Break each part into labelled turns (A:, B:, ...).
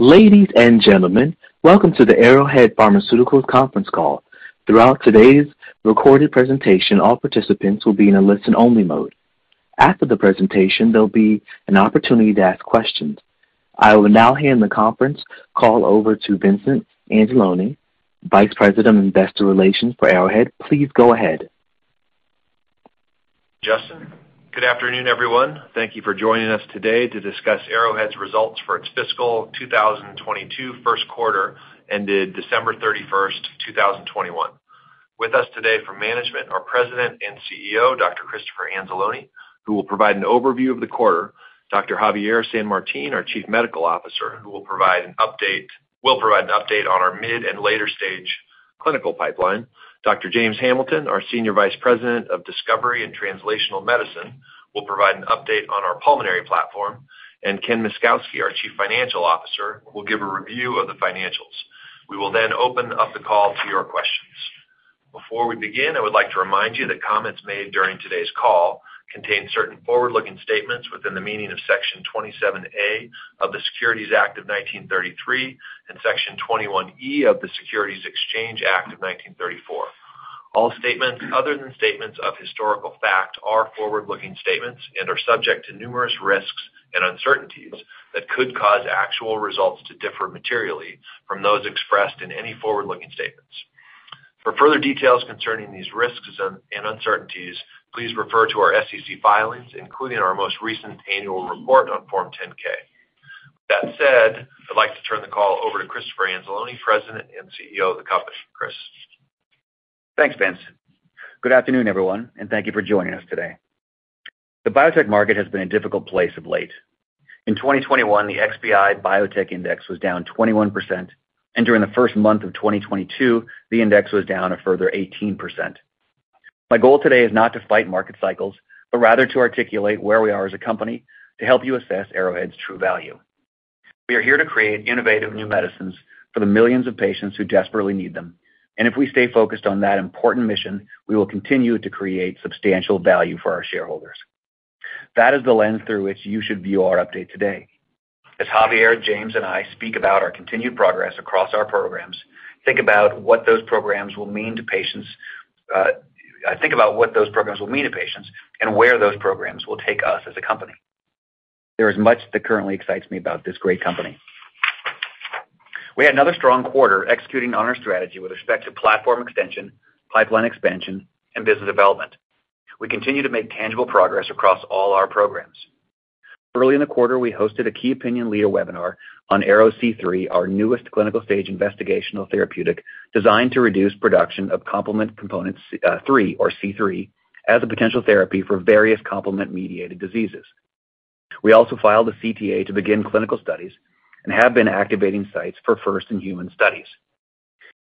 A: Ladies and gentlemen, welcome to the Arrowhead Pharmaceuticals conference call. Throughout today's recorded presentation, all participants will be in a listen-only mode. After the presentation, there'll be an opportunity to ask questions. I will now hand the conference call over to Vincent Anzalone, Vice President of Investor Relations for Arrowhead. Please go ahead.
B: Justin. Good afternoon, everyone. Thank you for joining us today to discuss Arrowhead's results for its fiscal 2022 first quarter ended December 31, 2021. With us today from management are President and CEO, Dr. Christopher Anzalone, who will provide an overview of the quarter, Dr. Javier San Martin, our Chief Medical Officer, who will provide an update on our mid and later-stage clinical pipeline. Dr. James Hamilton, our Senior Vice President of Discovery and Translational Medicine, will provide an update on our pulmonary platform. Ken Myszkowski, our Chief Financial Officer, will give a review of the financials. We will then open up the call to your questions. Before we begin, I would like to remind you that comments made during today's call contain certain forward-looking statements within the meaning of Section 27A of the Securities Act of 1933 and Section 21E of the Securities Exchange Act of 1934. All statements other than statements of historical fact are forward-looking statements and are subject to numerous risks and uncertainties that could cause actual results to differ materially from those expressed in any forward-looking statements. For further details concerning these risks and uncertainties, please refer to our SEC filings, including our most recent annual report on Form 10-K. With that said, I'd like to turn the call over to Christopher Anzalone, President and CEO of the company. Chris?
C: Thanks, Vince. Good afternoon, everyone, and thank you for joining us today. The biotech market has been in a difficult place of late. In 2021, the XBI Biotech Index was down 21%, and during the first month of 2022, the index was down a further 18%. My goal today is not to fight market cycles, but rather to articulate where we are as a company to help you assess Arrowhead's true value. We are here to create innovative new medicines for the millions of patients who desperately need them, and if we stay focused on that important mission, we will continue to create substantial value for our shareholders. That is the lens through which you should view our update today. As Javier, James, and I speak about our continued progress across our programs, think about what those programs will mean to patients. Think about what those programs will mean to patients and where those programs will take us as a company. There is much that currently excites me about this great company. We had another strong quarter executing on our strategy with respect to platform extension, pipeline expansion, and business development. We continue to make tangible progress across all our programs. Early in the quarter, we hosted a key opinion leader webinar on ARO-C3, our newest clinical stage investigational therapeutic designed to reduce production of complement component 3, or C3 as a potential therapy for various complement-mediated diseases. We also filed a CTA to begin clinical studies and have been activating sites for first-in-human studies.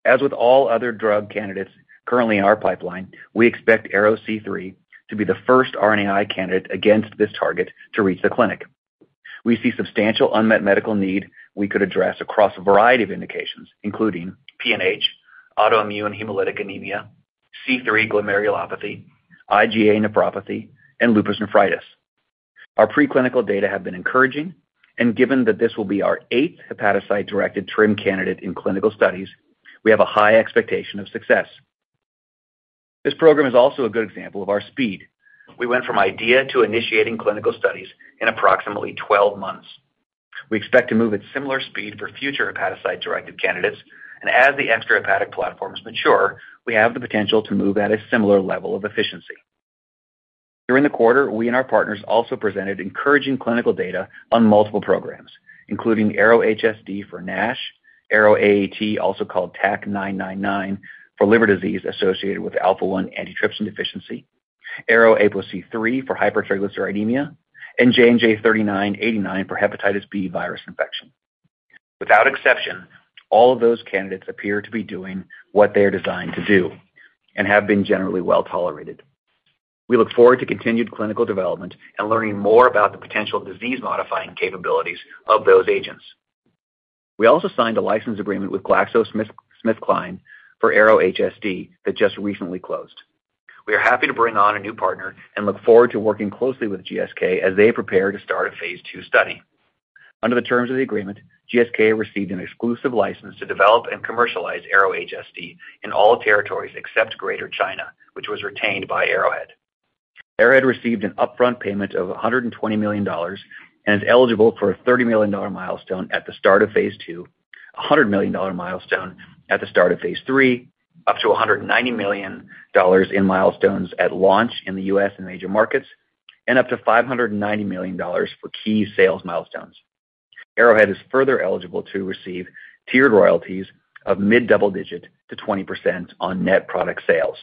C: As with all other drug candidates currently in our pipeline, we expect ARO-C3 to be the first RNAi candidate against this target to reach the clinic. We see substantial unmet medical need we could address across a variety of indications, including PNH, autoimmune hemolytic anemia, C3 glomerulopathy, IgA nephropathy, and lupus nephritis. Our preclinical data have been encouraging, and given that this will be our eighth hepatocyte-directed TRIM candidate in clinical studies, we have a high expectation of success. This program is also a good example of our speed. We went from idea to initiating clinical studies in approximately 12 months. We expect to move at similar speed for future hepatocyte-directed candidates, and as the extrahepatic platforms mature, we have the potential to move at a similar level of efficiency. During the quarter, we and our partners also presented encouraging clinical data on multiple programs, including ARO-HSD for NASH, ARO-AAT, also called TAK-999, for liver disease associated with alpha-1 antitrypsin deficiency, ARO-APOC3 for hypertriglyceridemia, and JNJ-3989 for hepatitis B virus infection. Without exception, all of those candidates appear to be doing what they are designed to do and have been generally well-tolerated. We look forward to continued clinical development and learning more about the potential disease-modifying capabilities of those agents. We also signed a license agreement with GlaxoSmithKline for ARO-HSD that just recently closed. We are happy to bring on a new partner and look forward to working closely with GSK as they prepare to start a phase II study. Under the terms of the agreement, GSK received an exclusive license to develop and commercialize ARO-HSD in all territories except Greater China, which was retained by Arrowhead. Arrowhead received an upfront payment of $120 million and is eligible for a $30 million milestone at the start of phase II, a $100 million milestone at the start of phase III, up to $190 million in milestones at launch in the U.S. and major markets, and up to $590 million for key sales milestones. Arrowhead is further eligible to receive tiered royalties of mid-double digit to 20% on net product sales.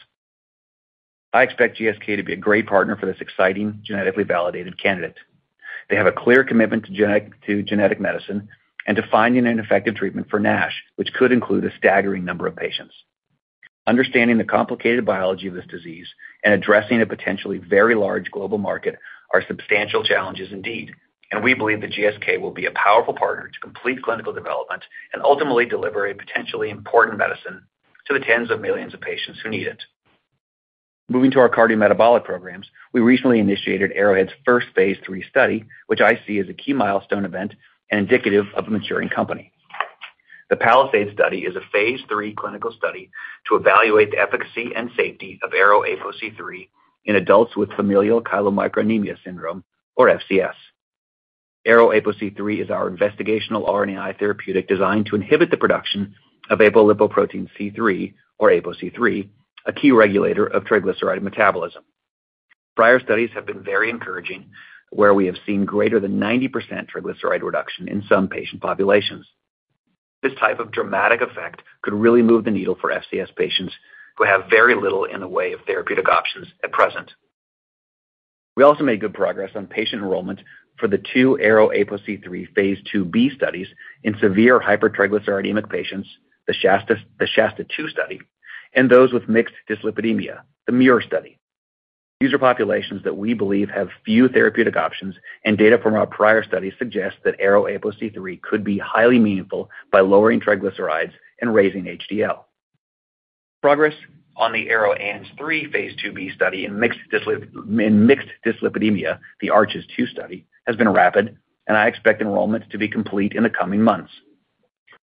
C: I expect GSK to be a great partner for this exciting genetically validated candidate. They have a clear commitment to genetic medicine and to finding an effective treatment for NASH, which could include a staggering number of patients. Understanding the complicated biology of this disease and addressing a potentially very large global market are substantial challenges indeed, and we believe that GSK will be a powerful partner to complete clinical development and ultimately deliver a potentially important medicine to the tens of millions of patients who need it. Moving to our cardiometabolic programs, we recently initiated Arrowhead's first phase III study, which I see as a key milestone event and indicative of a maturing company. The PALISADE study is a phase III clinical study to evaluate the efficacy and safety of ARO-APOC3 in adults with familial chylomicronemia syndrome or FCS. ARO-APOC3 is our investigational RNAi therapeutic designed to inhibit the production of apolipoprotein C3, or APOC3, a key regulator of triglyceride metabolism. Prior studies have been very encouraging, where we have seen greater than 90% triglyceride reduction in some patient populations. This type of dramatic effect could really move the needle for FCS patients who have very little in the way of therapeutic options at present. We also made good progress on patient enrollment for the two ARO-APOC3 phase IIb studies in severe hypertriglyceridemic patients, the SHASTA-II study, and those with mixed dyslipidemia, the MUIR study. These are populations that we believe have few therapeutic options, and data from our prior studies suggest that ARO-APOC3 could be highly meaningful by lowering triglycerides and raising HDL. Progress on the ARO-ANG3 phase IIb study in mixed dyslipidemia, the ARCHES-II study, has been rapid, and I expect enrollment to be complete in the coming months.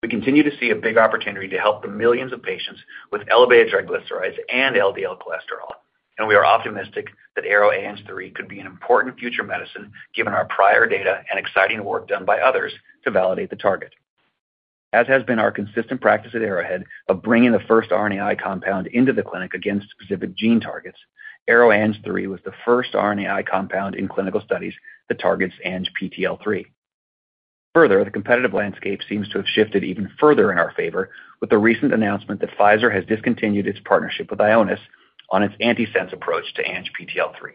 C: We continue to see a big opportunity to help the millions of patients with elevated triglycerides and LDL cholesterol, and we are optimistic that ARO-ANG3 could be an important future medicine given our prior data and exciting work done by others to validate the target. As has been our consistent practice at Arrowhead of bringing the first RNAi compound into the clinic against specific gene targets, ARO-ANG3 was the first RNAi compound in clinical studies that targets ANGPTL3. Further, the competitive landscape seems to have shifted even further in our favor with the recent announcement that Pfizer has discontinued its partnership with Ionis on its antisense approach to ANGPTL3.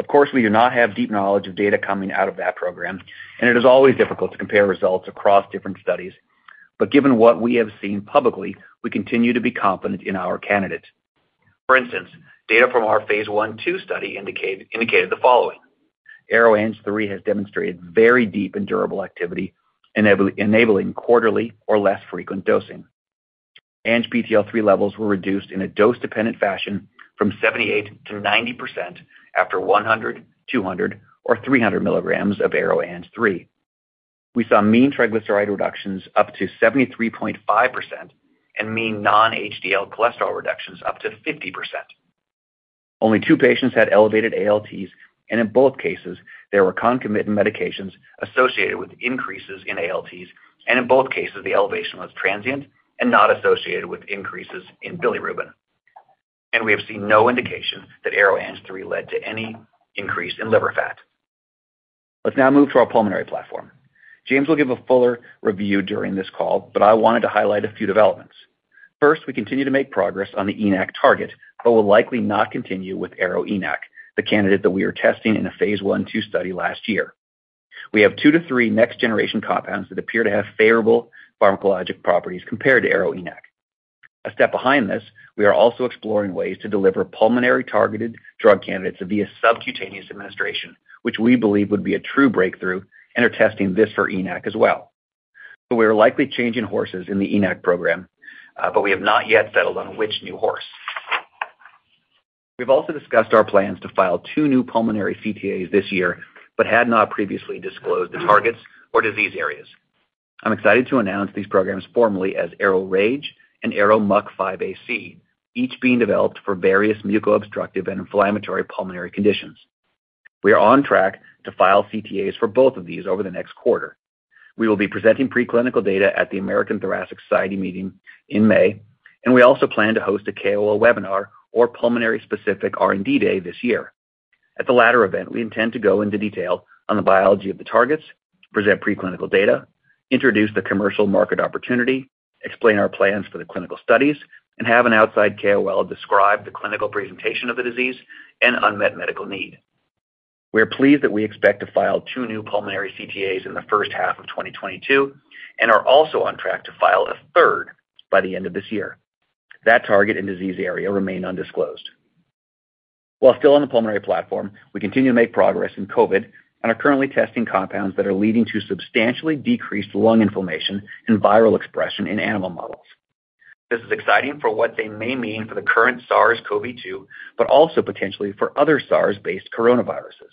C: Of course, we do not have deep knowledge of data coming out of that program, and it is always difficult to compare results across different studies. Given what we have seen publicly, we continue to be confident in our candidates. For instance, data from our phase I/II study indicated the following. ARO-ANG3 has demonstrated very deep and durable activity enabling quarterly or less frequent dosing. ANGPTL3 levels were reduced in a dose-dependent fashion from 78%-90% after 100, 200, or 300 mg of ARO-ANG3. We saw mean triglyceride reductions up to 73.5% and mean non-HDL cholesterol reductions up to 50%. Only two patients had elevated ALTs, and in both cases, there were concomitant medications associated with increases in ALTs, and in both cases, the elevation was transient and not associated with increases in bilirubin. We have seen no indication that ARO-ANG3 led to any increase in liver fat. Let's now move to our pulmonary platform. James will give a fuller review during this call, but I wanted to highlight a few developments. First, we continue to make progress on the ENaC target, but will likely not continue with ARO-ENaC, the candidate that we were testing in a phase I/II study last year. We have 2 to 3 next-generation compounds that appear to have favorable pharmacologic properties compared to ARO-ENaC. A step behind this, we are also exploring ways to deliver pulmonary-targeted drug candidates via subcutaneous administration, which we believe would be a true breakthrough and are testing this for ENaC as well. We are likely changing horses in the ENaC program, but we have not yet settled on which new horse. We've also discussed our plans to file two new pulmonary CTAs this year but had not previously disclosed the targets or disease areas. I'm excited to announce these programs formally as ARO-RAGE and ARO-MUC5AC, each being developed for various muco-obstructive and inflammatory pulmonary conditions. We are on track to file CTAs for both of these over the next quarter. We will be presenting preclinical data at the American Thoracic Society meeting in May, and we also plan to host a KOL webinar or pulmonary-specific R&D day this year. At the latter event, we intend to go into detail on the biology of the targets, present preclinical data, introduce the commercial market opportunity, explain our plans for the clinical studies, and have an outside KOL describe the clinical presentation of the disease and unmet medical need. We are pleased that we expect to file two new pulmonary CTAs in the first half of 2022 and are also on track to file a third by the end of this year. That target and disease area remain undisclosed. While still on the pulmonary platform, we continue to make progress in COVID and are currently testing compounds that are leading to substantially decreased lung inflammation and viral expression in animal models. This is exciting for what they may mean for the current SARS-CoV-2, but also potentially for other SARS-based coronaviruses.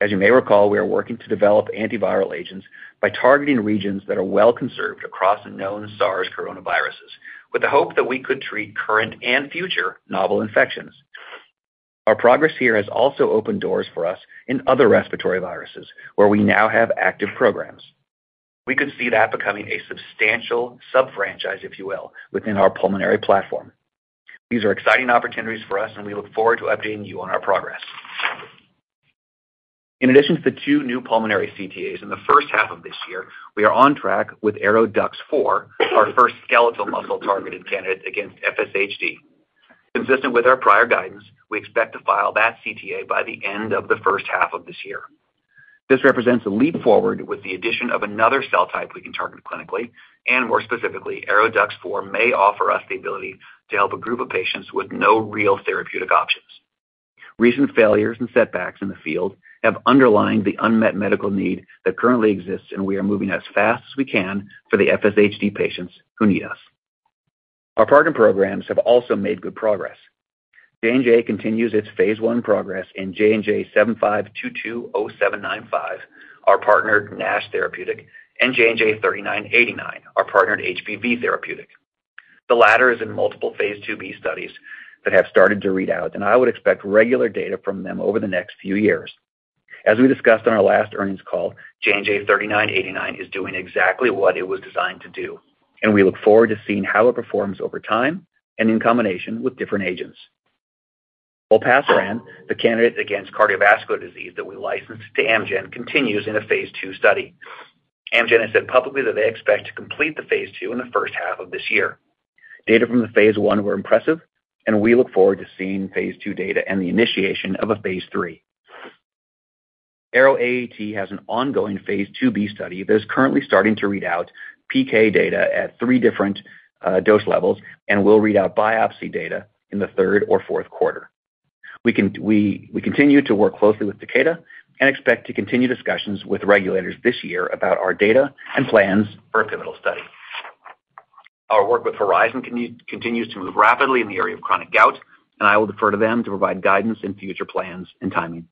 C: As you may recall, we are working to develop antiviral agents by targeting regions that are well-conserved across known SARS coronaviruses with the hope that we could treat current and future novel infections. Our progress here has also opened doors for us in other respiratory viruses where we now have active programs. We could see that becoming a substantial sub-franchise, if you will, within our pulmonary platform. These are exciting opportunities for us, and we look forward to updating you on our progress. In addition to the two new pulmonary CTAs in the first half of this year, we are on track with ARO-DUX4, our first skeletal muscle-targeted candidate against FSHD. Consistent with our prior guidance, we expect to file that CTA by the end of the first half of this year. This represents a leap forward with the addition of another cell type we can target clinically, and more specifically, ARO-DUX4 may offer us the ability to help a group of patients with no real therapeutic option. Recent failures and setbacks in the field have underlined the unmet medical need that currently exists, and we are moving as fast as we can for the FSHD patients who need us. Our partner programs have also made good progress. J&J continues its phase I progress in JNJ-75220795, our partnered NASH therapeutic, and JNJ-3989, our partnered HBV therapeutic. The latter is in multiple phase IIb studies that have started to read out, and I would expect regular data from them over the next few years. As we discussed on our last earnings call, JNJ-3989 is doing exactly what it was designed to do, and we look forward to seeing how it performs over time and in combination with different agents. Olpasiran, the candidate against cardiovascular disease that we licensed to Amgen, continues in a phase II study. Amgen has said publicly that they expect to complete the phase II in the first half of this year. Data from the phase I were impressive, and we look forward to seeing phase II data and the initiation of a phase III. ARO-AAT has an ongoing phase IIb study that is currently starting to read out PK data at three different dose levels and will read out biopsy data in the third or fourth quarter. We continue to work closely with Takeda and expect to continue discussions with regulators this year about our data and plans for a pivotal study. Our work with Horizon continues to move rapidly in the area of chronic gout, and I will defer to them to provide guidance in future plans and timing.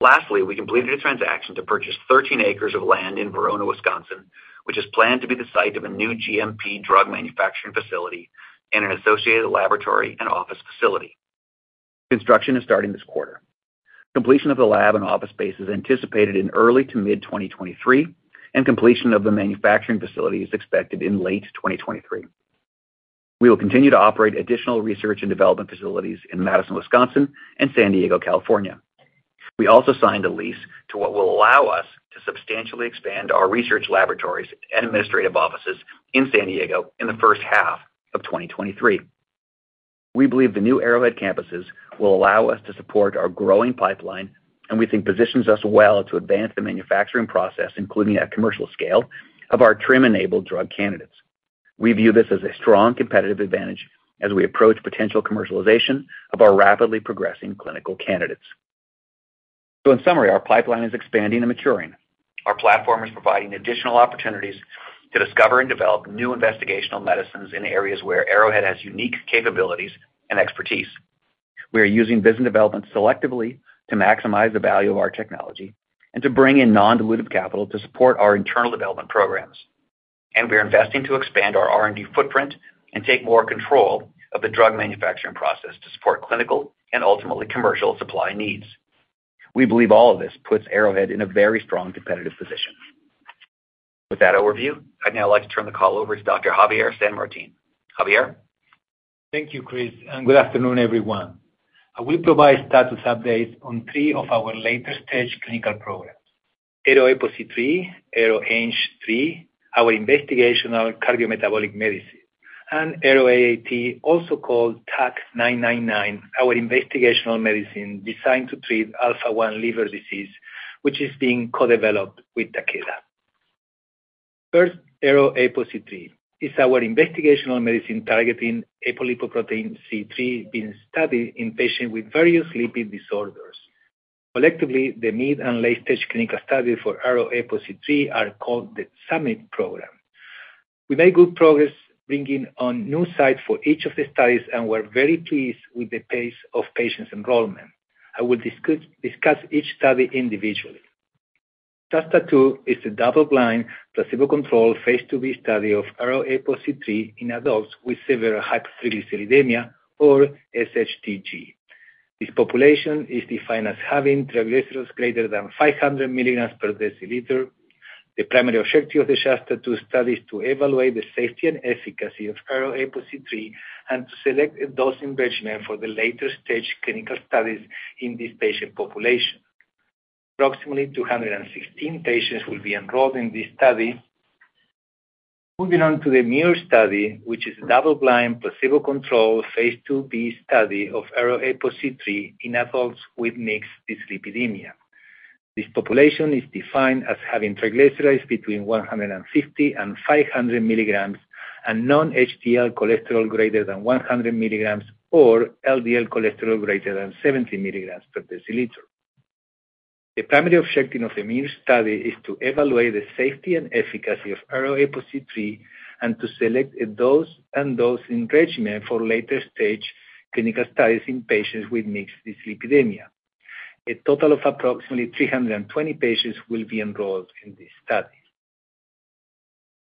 C: Lastly, we completed a transaction to purchase 13 acres of land in Verona, Wisconsin, which is planned to be the site of a new GMP drug manufacturing facility and an associated laboratory and office facility. Construction is starting this quarter. Completion of the lab and office space is anticipated in early to mid-2023, and completion of the manufacturing facility is expected in late 2023. We will continue to operate additional research and development facilities in Madison, Wisconsin, and San Diego, California. We also signed a lease that will allow us to substantially expand our research laboratories and administrative offices in San Diego in the first half of 2023. We believe the new Arrowhead campuses will allow us to support our growing pipeline, and we think it positions us well to advance the manufacturing process, including at commercial scale, of our TRIM enabled drug candidates. We view this as a strong competitive advantage as we approach potential commercialization of our rapidly progressing clinical candidates. In summary, our pipeline is expanding and maturing. Our platform is providing additional opportunities to discover and develop new investigational medicines in areas where Arrowhead has unique capabilities and expertise. We are using business development selectively to maximize the value of our technology and to bring in non-dilutive capital to support our internal development programs. We are investing to expand our R&D footprint and take more control of the drug manufacturing process to support clinical and ultimately commercial supply needs. We believe all of this puts Arrowhead in a very strong competitive position. With that overview, I'd now like to turn the call over to Dr. Javier San Martin. Javier?
D: Thank you, Chris, and good afternoon, everyone. I will provide status updates on three of our later-stage clinical programs. ARO-APOC3, ARO-ANG3, our investigational cardiometabolic medicine, and ARO-AAT, also called TAK-999, our investigational medicine designed to treat alpha-1 liver disease, which is being co-developed with Takeda. First, ARO-APOC3 is our investigational medicine targeting apolipoprotein C3 being studied in patients with various lipid disorders. Collectively, the mid- and late-stage clinical studies for ARO-APOC3 are called the SUMMIT Program. We made good progress bringing on new sites for each of the studies, and we're very pleased with the pace of patients' enrollment. I will discuss each study individually. SHASTA-II is a double-blind, placebo-controlled phase IIb study of ARO-APOC3 in adults with severe hypertriglyceridemia or SHTG. This population is defined as having triglycerides greater than 500 milligrams per deciliter. The primary objective of the SHASTA-II study is to evaluate the safety and efficacy of ARO-APOC3 and to select a dosing regimen for the later-stage clinical studies in this patient population. Approximately 216 patients will be enrolled in this study. Moving on to the MUIR study, which is a double-blind, placebo-controlled phase IIb study of ARO-APOC3 in adults with mixed dyslipidemia. This population is defined as having triglycerides between 150 and 500 mg/dL and non-HDL cholesterol greater than 100 mg/dL or LDL cholesterol greater than 70 mg/dL. The primary objective of the MUIR study is to evaluate the safety and efficacy of ARO-APOC3 and to select a dose and dosing regimen for later-stage clinical studies in patients with mixed dyslipidemia. A total of approximately 320 patients will be enrolled in this study.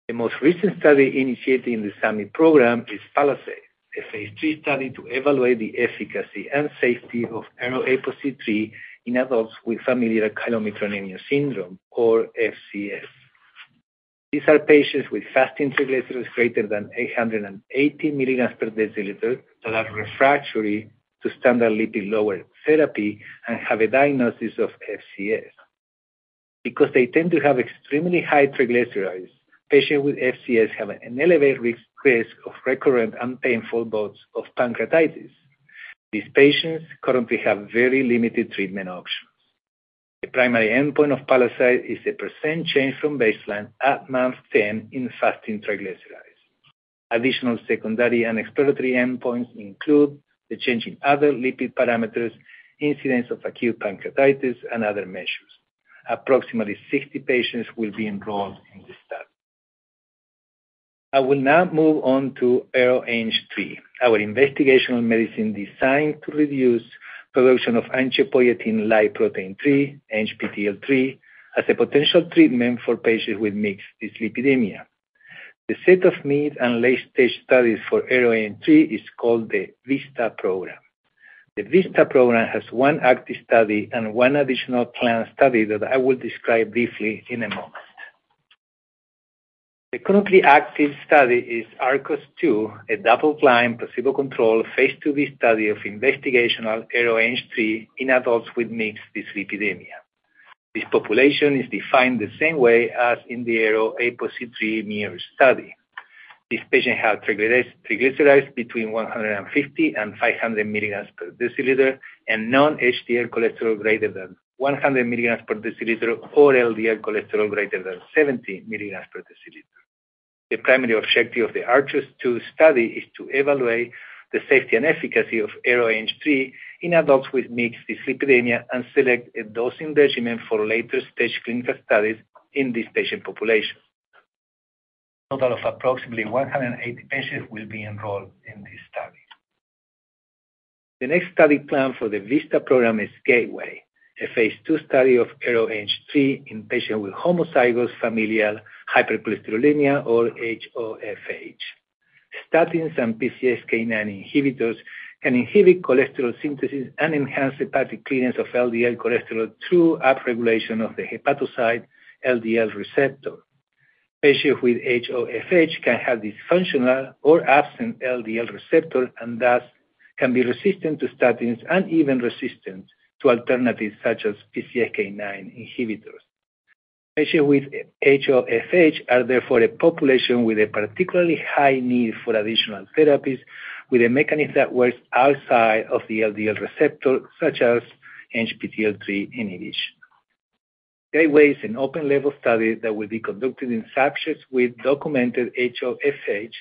D: The most recent study initiated in the SUMMIT program is PALISADE, a phase III study to evaluate the efficacy and safety of ARO-APOC3 in adults with familial chylomicronemia syndrome, or FCS. These are patients with fasting triglycerides greater than 880 milligrams per deciliter that are refractory to standard lipid-lowering therapy and have a diagnosis of FCS. Because they tend to have extremely high triglycerides, patients with FCS have an elevated risk of recurrent and painful bouts of pancreatitis. These patients currently have very limited treatment options. The primary endpoint of PALISADE is a % change from baseline at month 10 in fasting triglycerides. Additional secondary and exploratory endpoints include the change in other lipid parameters, incidence of acute pancreatitis, and other measures. Approximately 60 patients will be enrolled in this study. I will now move on to ARO-ANG3, our investigational medicine designed to reduce production of angiopoietin-like protein 3, ANGPTL3, as a potential treatment for patients with mixed dyslipidemia. The set of mid- and late-stage studies for ARO-ANG3 is called the VISTA program. The VISTA program has one active study and one additional planned study that I will describe briefly in a moment. The currently active study is ARCHES-II, a double-blind, placebo-controlled phase IIb study of investigational ARO-ANG3 in adults with mixed dyslipidemia. This population is defined the same way as in the ARO-APOC3 MUIR study. These patients have triglycerides between 150 and 500 milligrams per deciliter and non-HDL cholesterol greater than 100 milligrams per deciliter or LDL cholesterol greater than 70 milligrams per deciliter. The primary objective of the ARCHES-II study is to evaluate the safety and efficacy of ARO-ANG3 in adults with mixed dyslipidemia and select a dosing regimen for later-stage clinical studies in this patient population. A total of approximately 180 patients will be enrolled in this study. The next study planned for the VISTA program is GATEWAY, a phase II study of ARO-ANG3 in patients with homozygous familial hypercholesterolemia, or HoFH. Statins and PCSK9 inhibitors can inhibit cholesterol synthesis and enhance hepatic clearance of LDL cholesterol through upregulation of the hepatocyte LDL receptor. Patients with HoFH can have dysfunctional or absent LDL receptor and thus can be resistant to statins and even resistant to alternatives such as PCSK9 inhibitors. Patients with HoFH are therefore a population with a particularly high need for additional therapies with a mechanism that works outside of the LDL receptor, such as ANGPTL3 inhibition. GATEWAY is an open-label study that will be conducted in subjects with documented HoFH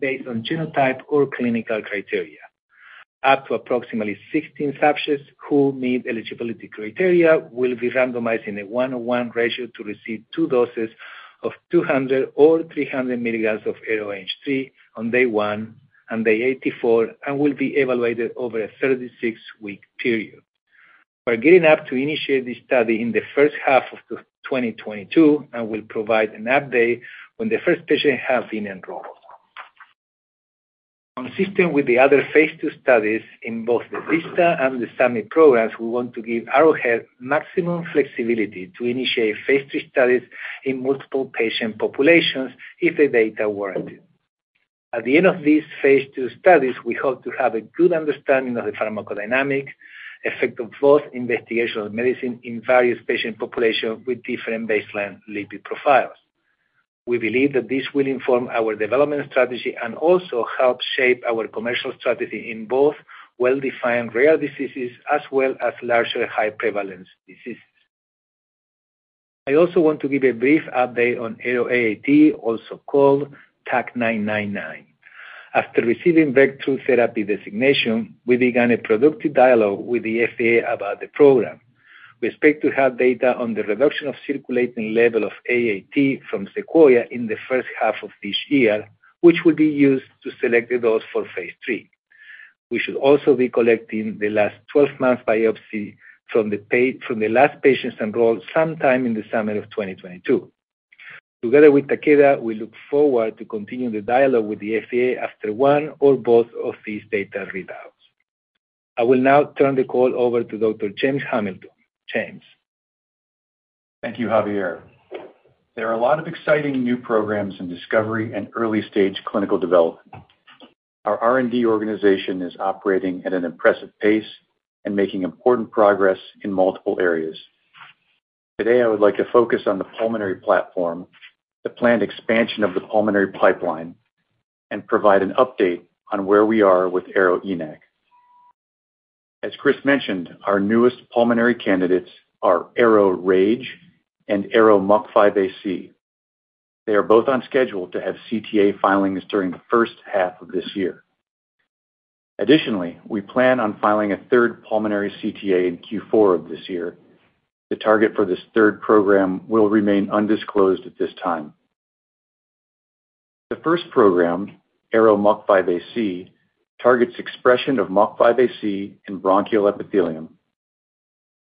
D: based on genotype or clinical criteria. Up to approximately 16 subjects who meet eligibility criteria will be randomized in a 1/1 ratio to receive two doses of 200 mg or 300 mg of ARO-ANG3 on day 1 and day 84 and will be evaluated over a 36-week period. We're gearing up to initiate this study in the first half of 2022 and will provide an update when the first patients have been enrolled. Consistent with the other phase II studies in both the VISTA and the SUMMIT programs, we want to give Arrowhead maximum flexibility to initiate phase III studies in multiple patient populations if the data warrant it. At the end of these phase II studies, we hope to have a good understanding of the pharmacodynamic effect of both investigational medicine in various patient populations with different baseline lipid profiles. We believe that this will inform our development strategy and also help shape our commercial strategy in both well-defined rare diseases as well as larger high-prevalence diseases. I also want to give a brief update on ARO-AAT, also called TAK-999. After receiving Breakthrough Therapy designation, we began a productive dialogue with the FDA about the program. We expect to have data on the reduction of circulating level of AAT from SEQUOIA in the first half of this year, which will be used to select the dose for phase III. We should also be collecting the last 12-month biopsy from the last patients enrolled sometime in the summer of 2022. Together with Takeda, we look forward to continuing the dialogue with the FDA after one or both of these data readouts. I will now turn the call over to Dr. James Hamilton. James?
E: Thank you, Javier. There are a lot of exciting new programs in discovery and early-stage clinical development. Our R&D organization is operating at an impressive pace and making important progress in multiple areas. Today, I would like to focus on the pulmonary platform, the planned expansion of the pulmonary pipeline, and provide an update on where we are with ARO-ENaC. As Chris mentioned, our newest pulmonary candidates are ARO-RAGE and ARO-MUC5AC. They are both on schedule to have CTA filings during the first half of this year. Additionally, we plan on filing a third pulmonary CTA in Q4 of this year. The target for this third program will remain undisclosed at this time. The first program, ARO-MUC5AC, targets expression of MUC5AC in bronchial epithelium.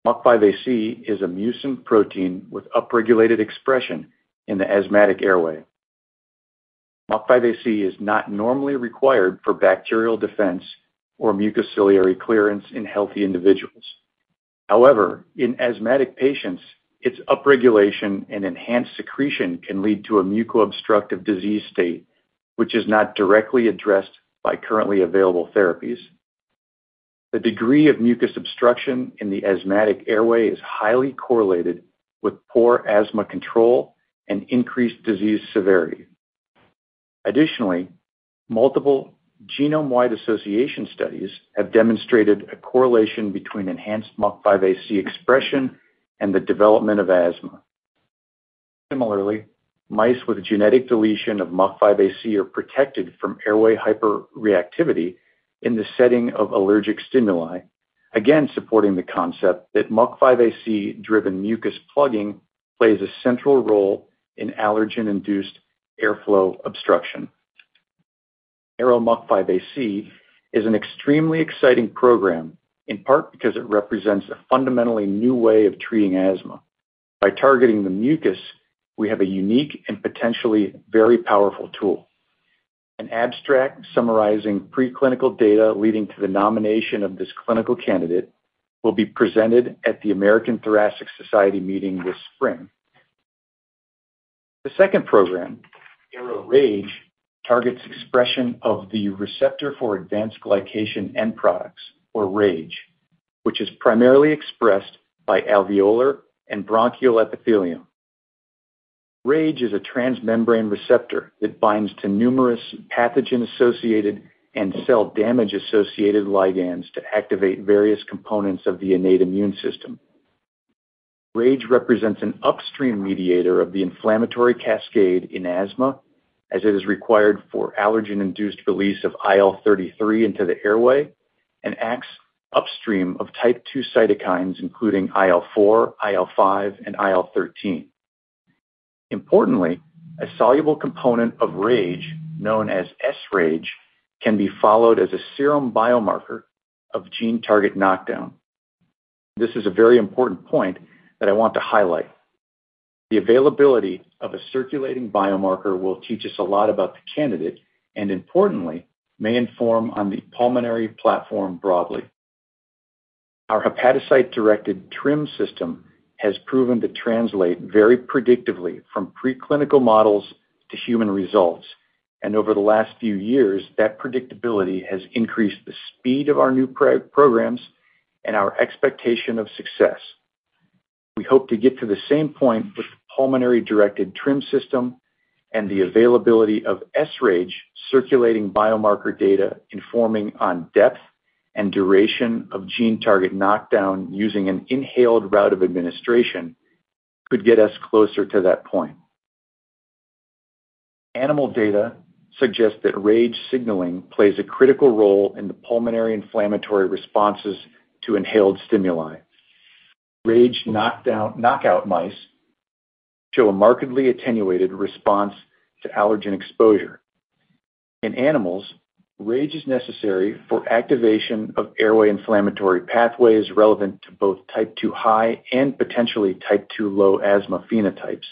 E: MUC5AC is a mucin protein with upregulated expression in the asthmatic airway. MUC5AC is not normally required for bacterial defense or mucociliary clearance in healthy individuals. However, in asthmatic patients, its upregulation and enhanced secretion can lead to a muco-obstructive disease state, which is not directly addressed by currently available therapies. The degree of mucus obstruction in the asthmatic airway is highly correlated with poor asthma control and increased disease severity. Additionally, multiple genome-wide association studies have demonstrated a correlation between enhanced MUC5AC expression and the development of asthma. Similarly, mice with a genetic deletion of MUC5AC are protected from airway hyperreactivity in the setting of allergic stimuli. Again, supporting the concept that MUC5AC-driven mucus plugging plays a central role in allergen-induced airflow obstruction. ARO-MUC5AC is an extremely exciting program, in part because it represents a fundamentally new way of treating asthma. By targeting the mucus, we have a unique and potentially very powerful tool. An abstract summarizing preclinical data leading to the nomination of this clinical candidate will be presented at the American Thoracic Society meeting this spring. The second program, ARO-RAGE, targets expression of the receptor for advanced glycation end products, or RAGE, which is primarily expressed by alveolar and bronchial epithelium. RAGE is a transmembrane receptor that binds to numerous pathogen-associated and cell damage-associated ligands to activate various components of the innate immune system. RAGE represents an upstream mediator of the inflammatory cascade in asthma, as it is required for allergen-induced release of IL-33 into the airway and acts upstream of type two cytokines, including IL-4, IL-5, and IL-13. Importantly, a soluble component of RAGE, known as sRAGE, can be followed as a serum biomarker of gene target knockdown. This is a very important point that I want to highlight. The availability of a circulating biomarker will teach us a lot about the candidate and importantly, may inform on the pulmonary platform broadly. Our hepatocyte-directed TRIM system has proven to translate very predictively from preclinical models to human results, and over the last few years, that predictability has increased the speed of our new programs and our expectation of success. We hope to get to the same point with the pulmonary-directed TRIM system and the availability of sRAGE circulating biomarker data informing on depth and duration of gene target knockdown using an inhaled route of administration could get us closer to that point. Animal data suggests that RAGE signaling plays a critical role in the pulmonary inflammatory responses to inhaled stimuli. RAGE knockdown knockout mice show a markedly attenuated response to allergen exposure. In animals, RAGE is necessary for activation of airway inflammatory pathways relevant to both type two high and potentially type two low asthma phenotypes.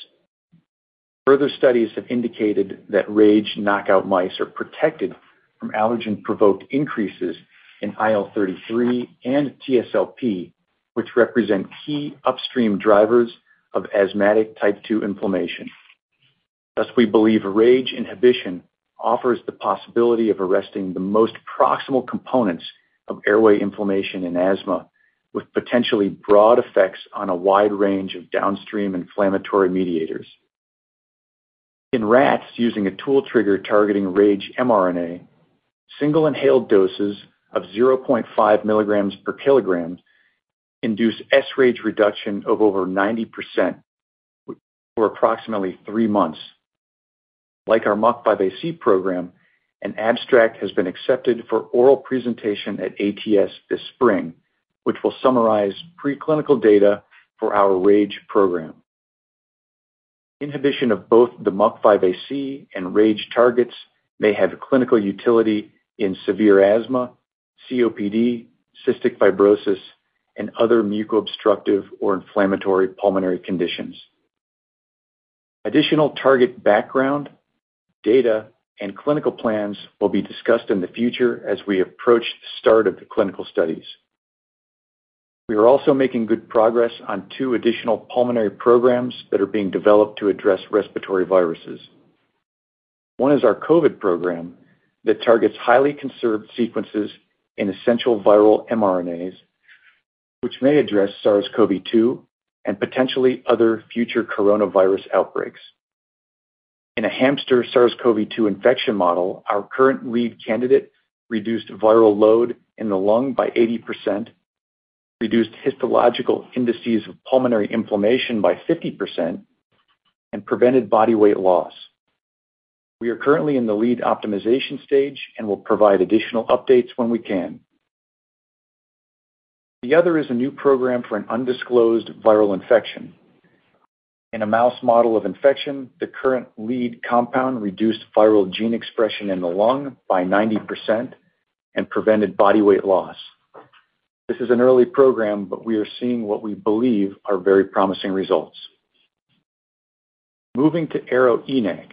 E: Further studies have indicated that RAGE knockout mice are protected from allergen-provoked increases in IL-33 and TSLP, which represent key upstream drivers of asthmatic type two inflammation. Thus, we believe RAGE inhibition offers the possibility of arresting the most proximal components of airway inflammation and asthma with potentially broad effects on a wide range of downstream inflammatory mediators. In rats using a tool trigger targeting RAGE mRNA, single inhaled doses of 0.5 mg/kg induce sRAGE reduction of over 90% for approximately three months. Like our MUC5AC program, an abstract has been accepted for oral presentation at ATS this spring, which will summarize preclinical data for our RAGE program. Inhibition of both the MUC5AC and RAGE targets may have clinical utility in severe asthma, COPD, cystic fibrosis, and other muco-obstructive or inflammatory pulmonary conditions. Additional target background data and clinical plans will be discussed in the future as we approach the start of the clinical studies. We are also making good progress on two additional pulmonary programs that are being developed to address respiratory viruses. One is our COVID program that targets highly conserved sequences in essential viral mRNAs, which may address SARS-CoV-2 and potentially other future coronavirus outbreaks. In a hamster SARS-CoV-2 infection model, our current lead candidate reduced viral load in the lung by 80%, reduced histological indices of pulmonary inflammation by 50%, and prevented body weight loss. We are currently in the lead optimization stage and will provide additional updates when we can. The other is a new program for an undisclosed viral infection. In a mouse model of infection, the current lead compound reduced viral gene expression in the lung by 90% and prevented body weight loss. This is an early program, but we are seeing what we believe are very promising results. Moving to ARO-ENaC.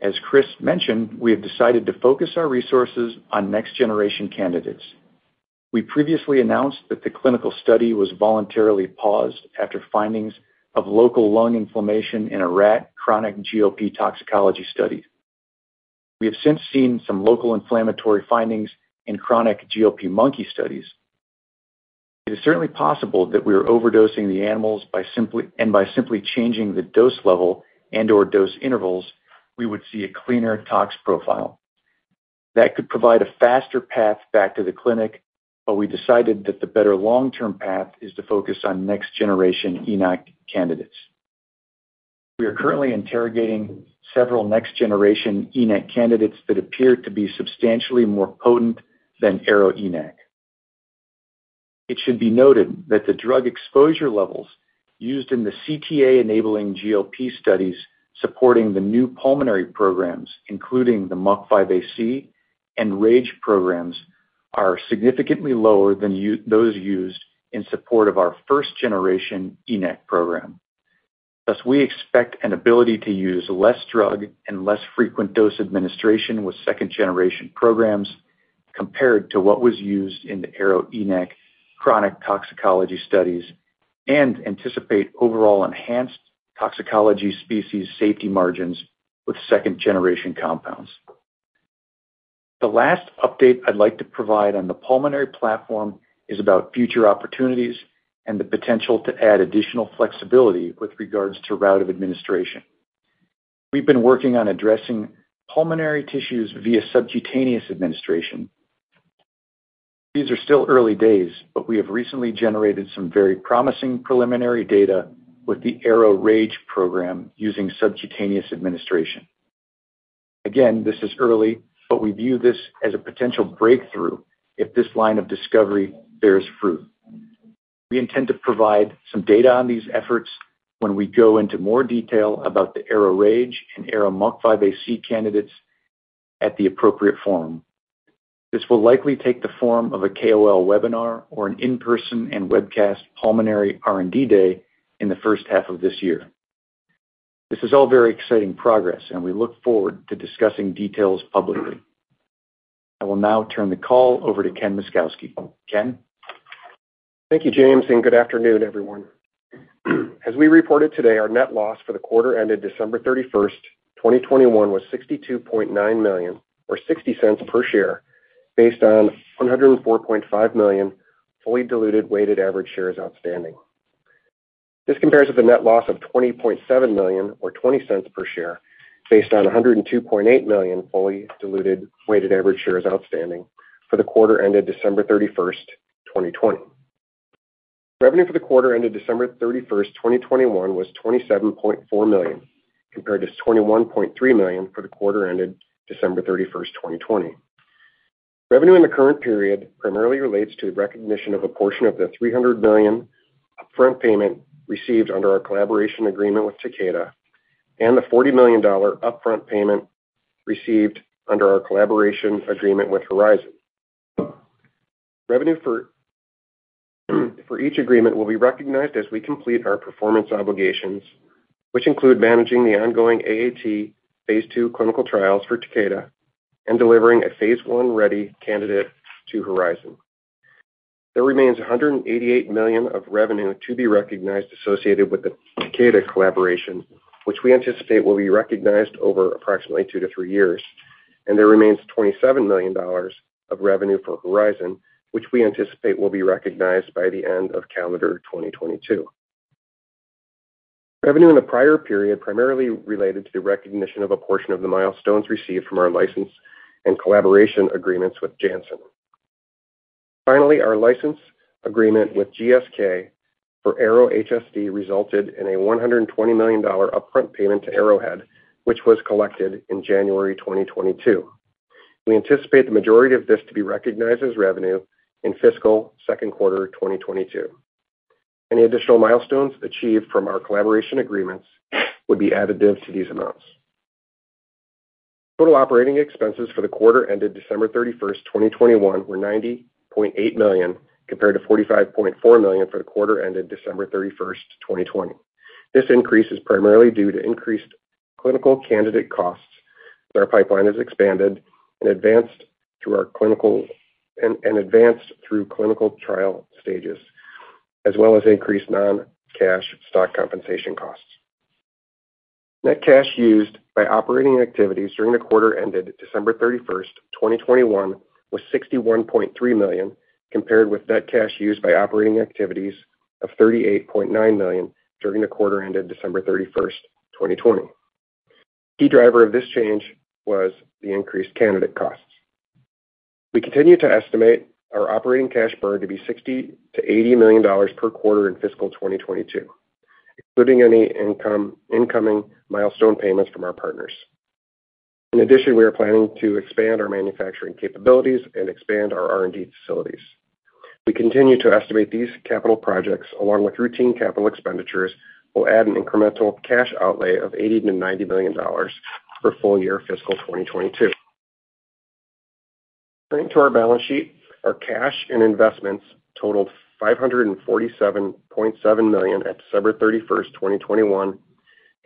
E: As Chris mentioned, we have decided to focus our resources on next-generation candidates. We previously announced that the clinical study was voluntarily paused after findings of local lung inflammation in a rat chronic GLP toxicology study. We have since seen some local inflammatory findings in chronic GLP monkey studies. It is certainly possible that we are overdosing the animals by simply changing the dose level and/or dose intervals, we would see a cleaner tox profile. That could provide a faster path back to the clinic, but we decided that the better long-term path is to focus on next generation ENaC candidates. We are currently interrogating several next-generation ENaC candidates that appear to be substantially more potent than ARO-ENaC. It should be noted that the drug exposure levels used in the CTA-enabling GLP studies supporting the new pulmonary programs, including the MUC5AC and RAGE programs, are significantly lower than those used in support of our first-generation ENaC program. Thus, we expect an ability to use less drug and less frequent dose administration with second generation programs compared to what was used in the ARO-ENaC chronic toxicology studies and anticipate overall enhanced toxicology species safety margins with second generation compounds. The last update I'd like to provide on the pulmonary platform is about future opportunities and the potential to add additional flexibility with regards to route of administration. We've been working on addressing pulmonary tissues via subcutaneous administration. These are still early days, but we have recently generated some very promising preliminary data with the ARO-RAGE program using subcutaneous administration. Again, this is early, but we view this as a potential breakthrough if this line of discovery bears fruit. We intend to provide some data on these efforts when we go into more detail about the ARO-RAGE and ARO-MUC5AC candidates at the appropriate forum. This will likely take the form of a KOL webinar or an in-person and webcast pulmonary R&D day in the first half of this year. This is all very exciting progress, and we look forward to discussing details publicly. I will now turn the call over to Ken Myszkowski. Ken?
F: Thank you, James, and good afternoon, everyone. As we reported today, our net loss for the quarter ended December 31, 2021 was $62.9 million, or $0.60 per share, based on 104.5 million fully diluted weighted average shares outstanding. This compares with a net loss of $20.7 million or $0.20 per share based on 102.8 million fully diluted weighted average shares outstanding for the quarter ended December 31, 2020. Revenue for the quarter ended December 31, 2021 was $27.4 million, compared to $21.3 million for the quarter ended December 31, 2020. Revenue in the current period primarily relates to the recognition of a portion of the $300 million upfront payment received under our collaboration agreement with Takeda and the $40 million dollar upfront payment received under our collaboration agreement with Horizon. Revenue for each agreement will be recognized as we complete our performance obligations, which include managing the ongoing AAT phase II clinical trials for Takeda and delivering a phase I-ready candidate to Horizon. There remains $188 million of revenue to be recognized associated with the Takeda collaboration, which we anticipate will be recognized over approximately 2-3 years. There remains $27 million dollars of revenue for Horizon, which we anticipate will be recognized by the end of calendar 2022. Revenue in the prior period primarily related to the recognition of a portion of the milestones received from our license and collaboration agreements with Janssen. Finally, our license agreement with GSK for ARO-HSD resulted in a $120 million upfront payment to Arrowhead, which was collected in January 2022. We anticipate the majority of this to be recognized as revenue in fiscal second quarter 2022. Any additional milestones achieved from our collaboration agreements would be additive to these amounts. Total operating expenses for the quarter ended December 31, 2021 were $90.8 million, compared to $45.4 million for the quarter ended December 31, 2020. This increase is primarily due to increased clinical candidate costs as our pipeline has expanded and advanced through clinical trial stages, as well as increased non-cash stock compensation costs. Net cash used by operating activities during the quarter ended December 31, 2021 was $61.3 million, compared with net cash used by operating activities of $38.9 million during the quarter ended December 31, 2020. Key driver of this change was the increased candidate costs. We continue to estimate our operating cash burn to be $60 million-$80 million per quarter in fiscal 2022, including any incoming milestone payments from our partners. In addition, we are planning to expand our manufacturing capabilities and expand our R&D facilities. We continue to estimate these capital projects, along with routine capital expenditures, will add an incremental cash outlay of $80 million-$90 million for full year fiscal 2022. Turning to our balance sheet, our cash and investments totaled $547.7 million at December 31, 2021,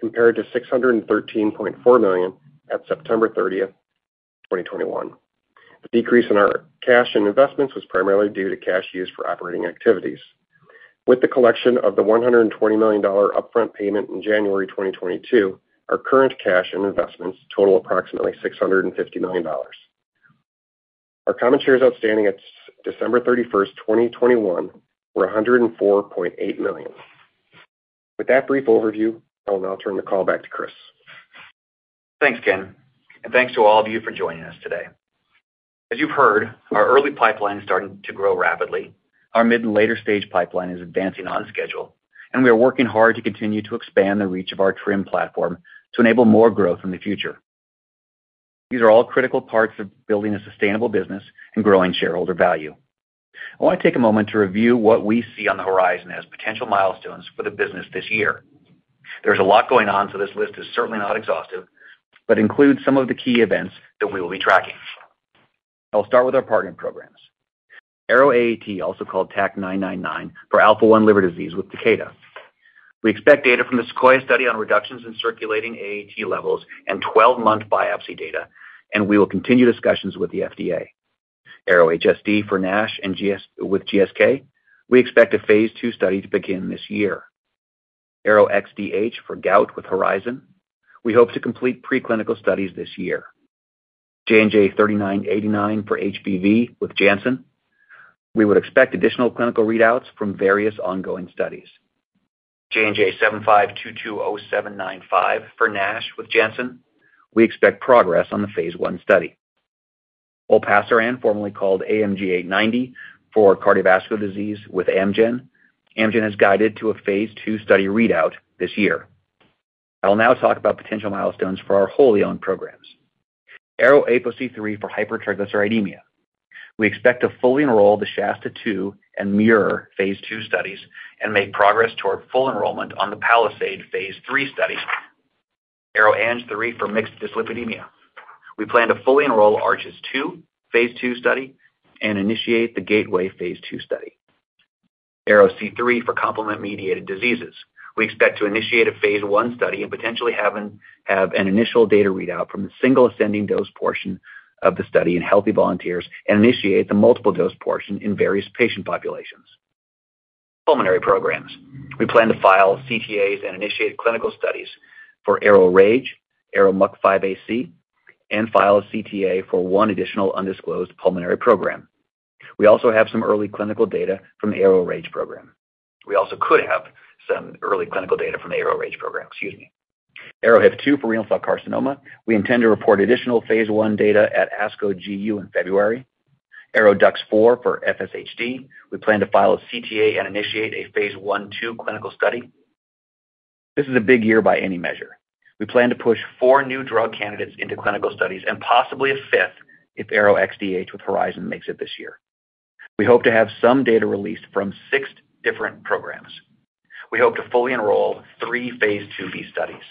F: compared to $613.4 million at September 30, 2021. The decrease in our cash and investments was primarily due to cash used for operating activities. With the collection of the $120 million upfront payment in January 2022, our current cash and investments total approximately $650 million. Our common shares outstanding at December 31, 2021, were 104.8 million. With that brief overview, I will now turn the call back to Chris.
C: Thanks, Ken, and thanks to all of you for joining us today. As you've heard, our early pipeline is starting to grow rapidly. Our mid and later-stage pipeline is advancing on schedule, and we are working hard to continue to expand the reach of our TRIM platform to enable more growth in the future. These are all critical parts of building a sustainable business and growing shareholder value. I want to take a moment to review what we see on the horizon as potential milestones for the business this year. There's a lot going on, so this list is certainly not exhaustive, but includes some of the key events that we will be tracking. I'll start with our partner programs. ARO-AAT, also called TAK-999 for alpha-1 liver disease with Takeda. We expect data from the SEQUOIA study on reductions in circulating AAT levels and 12-month biopsy data, and we will continue discussions with the FDA. ARO-HSD for NASH and GSK with GSK. We expect a phase II study to begin this year. ARO-XDH for gout with Horizon. We hope to complete preclinical studies this year. JNJ-3989 for HBV with Janssen. We would expect additional clinical readouts from various ongoing studies. JNJ-75220795 for NASH with Janssen. We expect progress on the phase I study. Olpasiran, formerly called AMG 890 for cardiovascular disease with Amgen. Amgen has guided to a phase II study readout this year. I will now talk about potential milestones for our wholly owned programs. ARO-APOC3 for hypertriglyceridemia. We expect to fully enroll the SHASTA-II and MUIR phase II studies and make progress toward full enrollment on the PALISADE phase III study. ARO-ANG3 for mixed dyslipidemia. We plan to fully enroll ARCHES-II phase II study and initiate the GATEWAY phase II study. ARO-C3 for complement-mediated diseases. We expect to initiate a phase I study and potentially have an initial data readout from the single ascending dose portion of the study in healthy volunteers and initiate the multiple dose portion in various patient populations. Pulmonary programs. We plan to file CTAs and initiate clinical studies for ARO-RAGE, ARO-MUC5AC, and file a CTA for one additional undisclosed pulmonary program. We also could have some early clinical data from the ARO-RAGE program, excuse me. ARO-HIF2 for renal cell carcinoma. We intend to report additional phase I data at ASCO GU in February. ARO-DUX4 for FSHD. We plan to file a CTA and initiate a phase I/II clinical study. This is a big year by any measure. We plan to push four new drug candidates into clinical studies and possibly a fifth if ARO-XDH with Horizon makes it this year. We hope to have some data released from six different programs. We hope to fully enroll three phase IIb studies.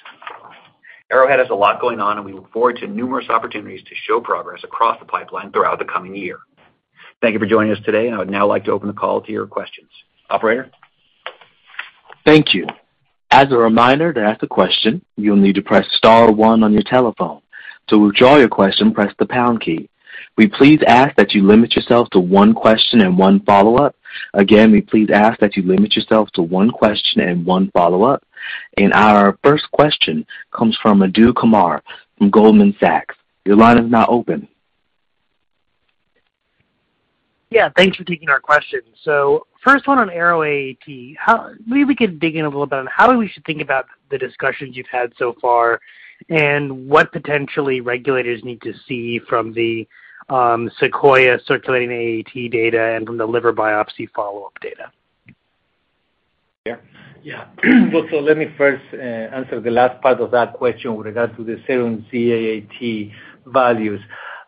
C: Arrowhead has a lot going on, and we look forward to numerous opportunities to show progress across the pipeline throughout the coming year. Thank you for joining us today, and I would now like to open the call to your questions. Operator?
A: Thank you. As a reminder, to ask a question, you'll need to press star one on your telephone. To withdraw your question, press the pound key. We please ask that you limit yourself to one question and one follow-up. Again, we please ask that you limit yourself to one question and one follow-up. Our first question comes from Madhu Kumar from Goldman Sachs. Your line is now open.
G: Yeah, thanks for taking our question. First one on ARO-AAT. Maybe we could dig in a little bit on how we should think about the discussions you've had so far and what potentially regulators need to see from the SEQUOIA circulating AAT data and from the liver biopsy follow-up data.
D: Yeah. Yeah. Let me first answer the last part of that question with regards to the serum AAT values.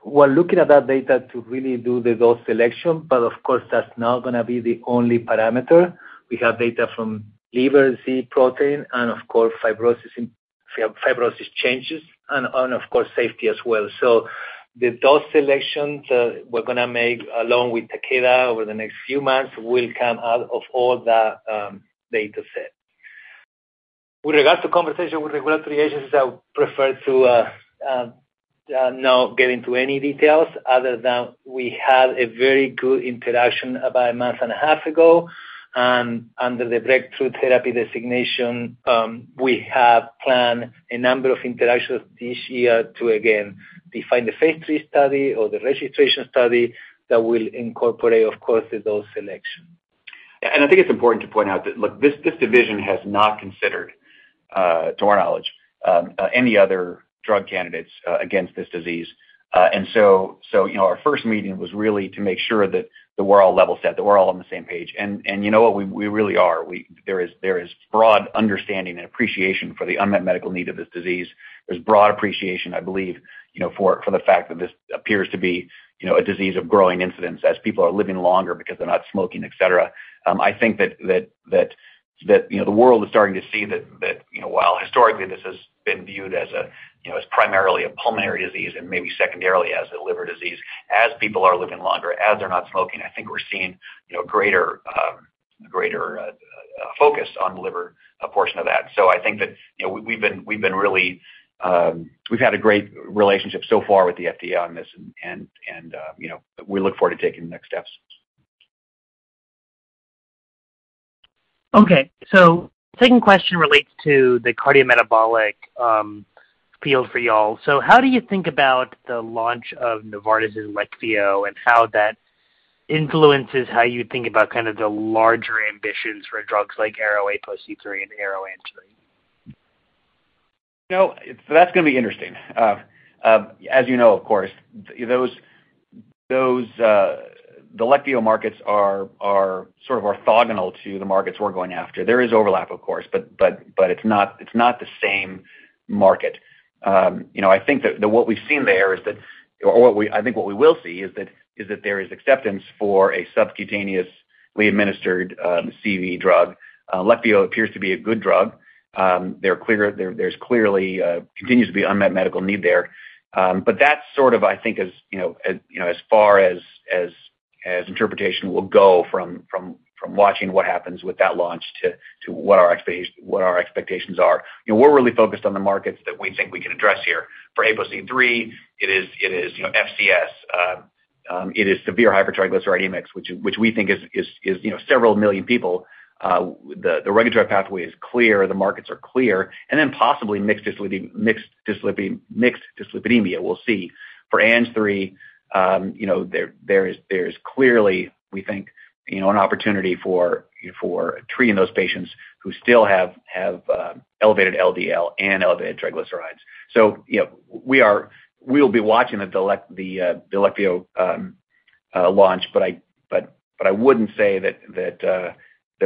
D: We're looking at that data to really do the dose selection, but of course, that's not gonna be the only parameter. We have data from liver Z protein and of course, fibrosis changes and of course, safety as well. The dose selections we're gonna make along with Takeda over the next few months will come out of all that data set. With regards to conversation with regulatory agencies, I would prefer to not get into any details other than we had a very good interaction about a month and a half ago. Under the Breakthrough Therapy designation, we have planned a number of interactions this year to again define the phase III study or the registration study that will incorporate, of course, the dose selection.
C: I think it's important to point out that, look, this division has not considered, to our knowledge, any other drug candidates against this disease. You know, our first meeting was really to make sure that we're all level set, that we're all on the same page. You know what? We really are. There is broad understanding and appreciation for the unmet medical need of this disease. There's broad appreciation, I believe, you know, for the fact that this appears to be, you know, a disease of growing incidence as people are living longer because they're not smoking, et cetera. I think that you know the world is starting to see that you know while historically this has been viewed as you know as primarily a pulmonary disease and maybe secondarily as a liver disease. As people are living longer, as they're not smoking, I think we're seeing you know greater disease focus on the liver portion of that. I think that you know we've had a great relationship so far with the FDA on this and you know we look forward to taking the next steps.
G: Okay. Second question relates to the cardiometabolic field for y'all. How do you think about the launch of Novartis' Leqvio and how that influences how you think about kind of the larger ambitions for drugs like ARO-APOC3 and ARO-ANG3?
C: You know, that's gonna be interesting. As you know, of course, those the Leqvio markets are sort of orthogonal to the markets we're going after. There is overlap, of course, but it's not the same market. You know, I think that what we will see is that there is acceptance for a subcutaneously administered CV drug. Leqvio appears to be a good drug. They're clear. There's clearly continues to be unmet medical need there. That's sort of I think is, you know, as far as interpretation will go from watching what happens with that launch to what our expectations are. You know, we're really focused on the markets that we think we can address here. For APOC3, it is you know, FCS. It is severe hypertriglyceridemics, which we think is you know, several million people. The regulatory pathway is clear, the markets are clear, and then possibly mixed dyslipidemia, we'll see. For ANG3, you know, there is clearly, we think, you know, an opportunity for treating those patients who still have elevated LDL and elevated triglycerides. So, you know, we'll be watching the Leqvio launch, but I wouldn't say that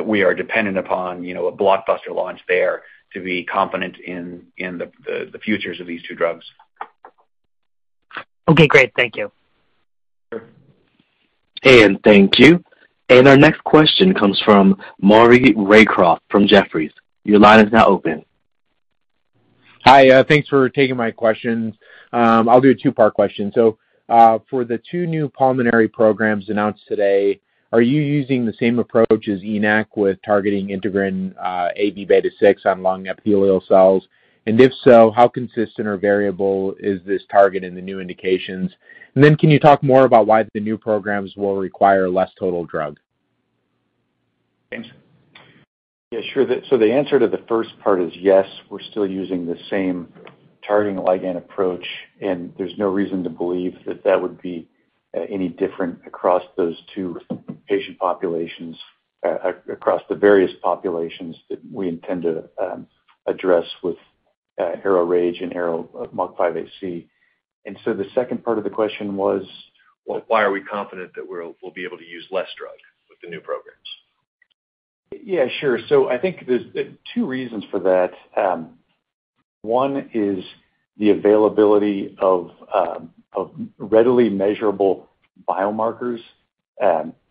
C: we are dependent upon you know, a blockbuster launch there to be confident in the futures of these two drugs.
G: Okay, great. Thank you.
C: Sure.
A: Thank you. Our next question comes from Maury Raycroft from Jefferies. Your line is now open.
H: Hi, thanks for taking my questions. I'll do a two-part question. For the two new pulmonary programs announced today, are you using the same approach as ARO-ENaC with targeting integrin, αVβ6 on lung epithelial cells? And if so, how consistent or variable is this target in the new indications? And then can you talk more about why the new programs will require less total drug?
C: James?
E: Yeah, sure. The answer to the first part is yes, we're still using the same targeting ligand approach, and there's no reason to believe that would be any different across those two patient populations, across the various populations that we intend to address with ARO-RAGE and ARO-MUC5AC. The second part of the question was?
C: Why are we confident that we'll be able to use less drug with the new programs?
E: Yeah, sure. I think there's two reasons for that. One is the availability of readily measurable biomarkers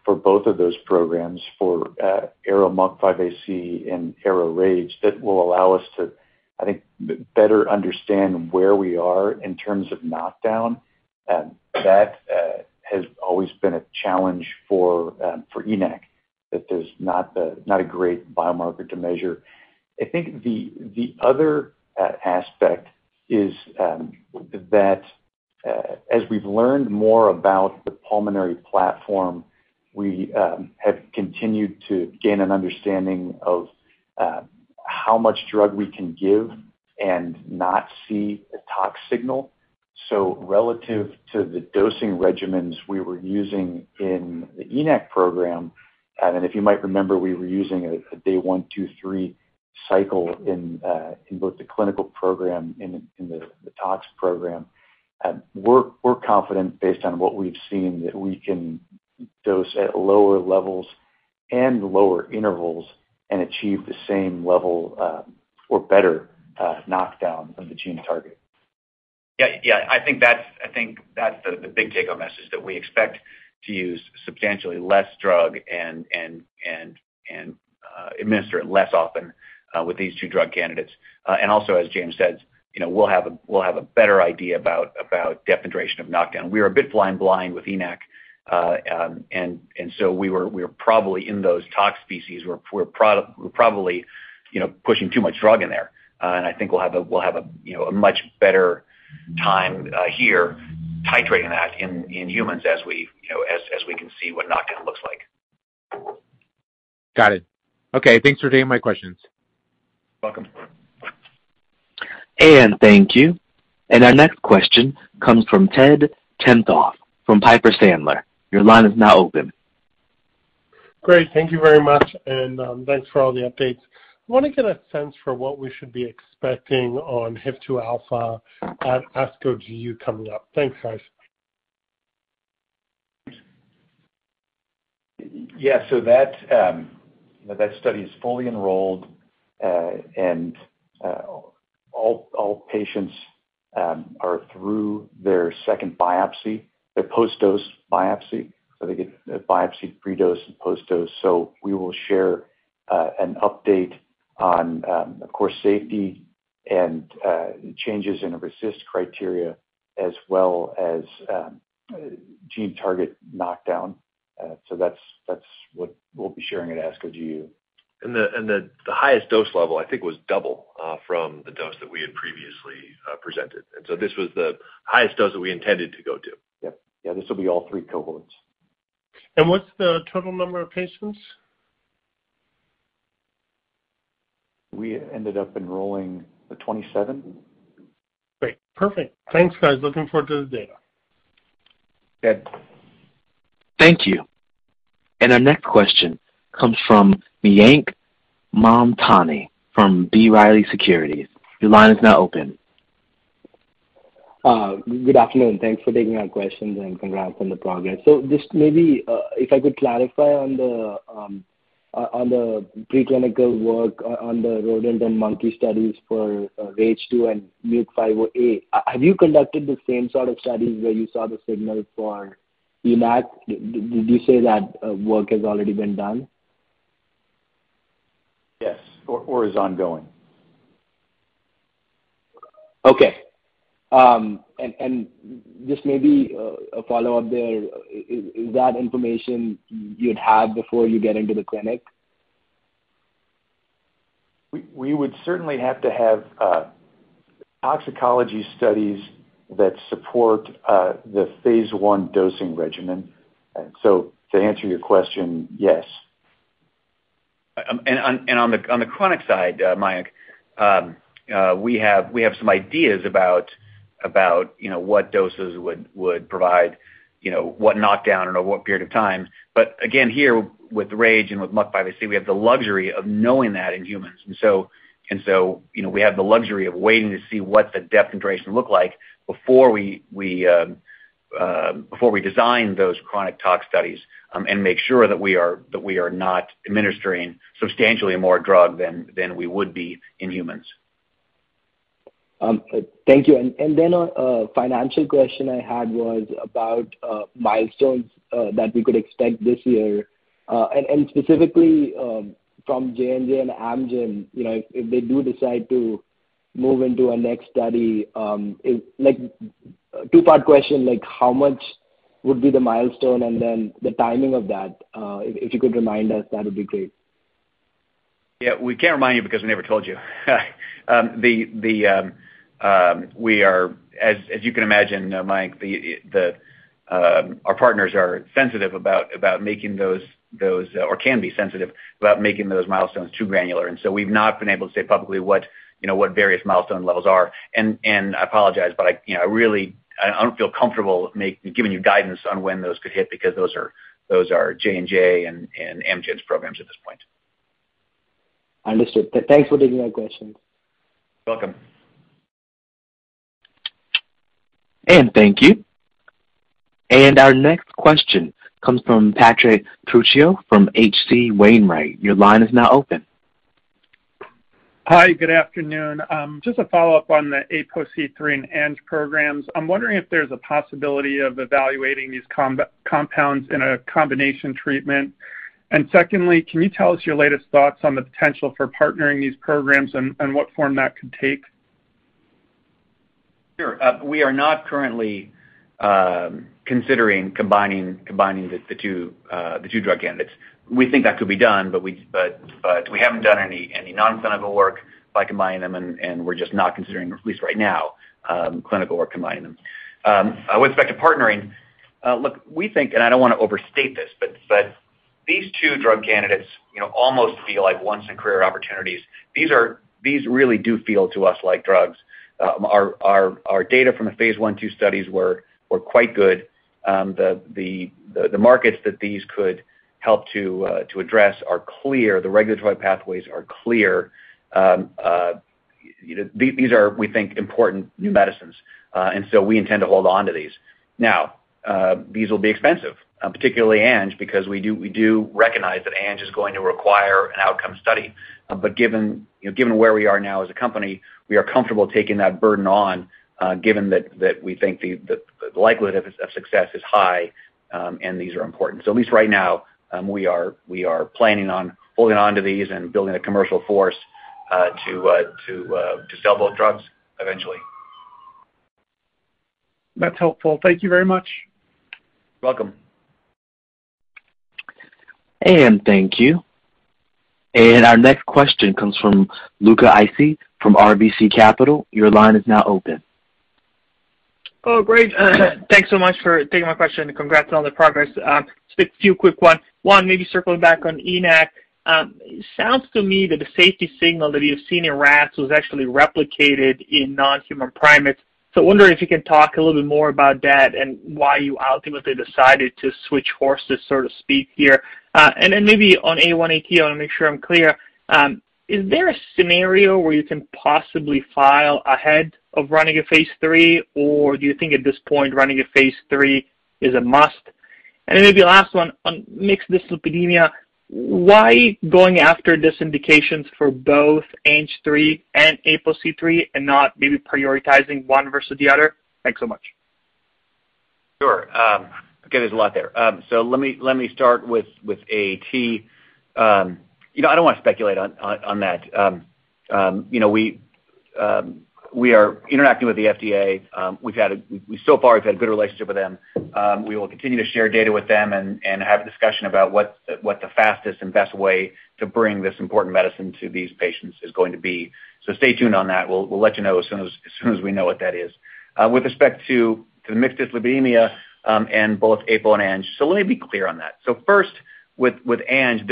E: for both of those programs, for ARO-MUC5AC and ARO-RAGE that will allow us to, I think, better understand where we are in terms of knockdown. That has always been a challenge for ARO-ENaC, that there's not a great biomarker to measure. I think the other aspect is that as we've learned more about the pulmonary platform, we have continued to gain an understanding of how much drug we can give and not see a tox signal. Relative to the dosing regimens we were using in the ENaC program, and if you might remember, we were using a day 1, 2, 3 cycle in both the clinical program and in the tox program. We're confident based on what we've seen that we can dose at lower levels and lower intervals and achieve the same level or better knockdown of the gene target.
C: Yeah. I think that's the big take-home message, that we expect to use substantially less drug and administer it less often with these two drug candidates. Also, as James said, you know, we'll have a better idea about depth and duration of knockdown. We were a bit flying blind with ENaC. We were probably in those tox species. We're probably, you know, pushing too much drug in there. I think we'll have a, you know, a much better time here titrating that in humans as we, you know, as we can see what knockdown looks like.
H: Got it. Okay. Thanks for taking my questions.
C: Welcome.
A: Thank you. Our next question comes from Ted Tenthoff from Piper Sandler. Your line is now open.
I: Great. Thank you very much, and thanks for all the updates. I wanna get a sense for what we should be expecting on HIF-2 alpha at ASCO GU coming up. Thanks, guys.
E: Yeah. That study is fully enrolled, and all patients are through their second biopsy, their post-dose biopsy. They get a biopsy pre-dose and post-dose. We will share an update on, of course, safety and changes in RECIST criteria as well as gene target knockdown. That's what we'll be sharing at ASCO GU.
B: The highest dose level I think was double from the dose that we had previously presented. This was the highest dose that we intended to go to.
E: Yep. Yeah, this will be all three cohorts.
I: What's the total number of patients?
E: We ended up enrolling 27.
I: Great. Perfect. Thanks, guys. Looking forward to the data.
C: Good.
A: Thank you. Our next question comes from Mayank Mamtani from B. Riley Securities. Your line is now open.
J: Good afternoon. Thanks for taking my questions, and congrats on the progress. Just maybe, if I could clarify on the preclinical work on the rodent and monkey studies for ARO-RAGE and ARO-MUC5AC. Have you conducted the same sort of studies where you saw the signal for ARO-ENaC? Did you say that work has already been done?
E: Yes. Is ongoing.
J: Okay. Just maybe a follow-up there. Is that information you'd have before you get into the clinic?
E: We would certainly have to have toxicology studies that support the phase I dosing regimen. To answer your question, yes.
C: On the chronic side, Mayank, we have some ideas about you know what doses would provide you know what knockdown and over what period of time. But again, here with RAGE and with MUC5AC, we have the luxury of knowing that in humans. So you know we have the luxury of waiting to see what the depth and duration look like before we design those chronic tox studies and make sure that we are not administering substantially more drug than we would be in humans.
J: Thank you. Then a financial question I had was about milestones that we could expect this year, and specifically from J&J and Amgen, you know, if they do decide to move into a next study. Two-part question, like how much would be the milestone? Then the timing of that, if you could remind us, that would be great.
C: Yeah. We can't remind you because we never told you. As you can imagine, Mayank, our partners are sensitive about making those milestones too granular or can be sensitive about making those milestones too granular. We've not been able to say publicly what various milestone levels are. I apologize, but you know, I really don't feel comfortable giving you guidance on when those could hit because those are J&J and Amgen's programs at this point.
J: Understood. Thanks for taking my questions.
C: Welcome.
A: Thank you. Our next question comes from Patrick Trucchio from H.C. Wainwright. Your line is now open.
K: Hi, good afternoon. Just a follow-up on the APOC3 and ANG3 programs. I'm wondering if there's a possibility of evaluating these compounds in a combination treatment. Secondly, can you tell us your latest thoughts on the potential for partnering these programs and what form that could take?
C: Sure. We are not currently considering combining the two drug candidates. We think that could be done, but we haven't done any non-clinical work by combining them, and we're just not considering, at least right now, clinical work combining them. With respect to partnering, look, we think, and I don't wanna overstate this, but these two drug candidates, you know, almost feel like once in career opportunities. These really do feel to us like drugs. Our data from the phase I/II studies were quite good. The markets that these could help to address are clear. The regulatory pathways are clear. These are, we think, important new medicines. We intend to hold on to these. Now, these will be expensive, particularly ANG, because we do recognize that ANG is going to require an outcome study. Given, you know, given where we are now as a company, we are comfortable taking that burden on, given that we think the likelihood of success is high, and these are important. At least right now, we are planning on holding onto these and building a commercial force, to sell both drugs eventually.
K: That's helpful. Thank you very much.
C: Welcome.
A: Thank you. Our next question comes from Luca Issi from RBC Capital. Your line is now open.
L: Oh, great. Thanks so much for taking my question. Congrats on the progress. Just a few quick ones. One, maybe circling back on ENaC. It sounds to me that the safety signal that you've seen in rats was actually replicated in non-human primates. So wondering if you can talk a little bit more about that and why you ultimately decided to switch horses, so to speak, here. And then maybe on ARO-AAT, I wanna make sure I'm clear. Is there a scenario where you can possibly file ahead of running a phase III? Or do you think at this point running a phase III is a must? And then maybe last one on mixed dyslipidemia, why going after this indications for both ARO-ANG3 and ARO-APOC3 and not maybe prioritizing one versus the other? Thanks so much.
C: Okay, there's a lot there. Let me start with AT. You know, I don't wanna speculate on that. You know, we are interacting with the FDA. We've had a good relationship with them so far. We will continue to share data with them and have a discussion about what the fastest and best way to bring this important medicine to these patients is going to be. Stay tuned on that. We'll let you know as soon as we know what that is. With respect to the mixed dyslipidemia and both APO and ANG. Let me be clear on that. First with ANG,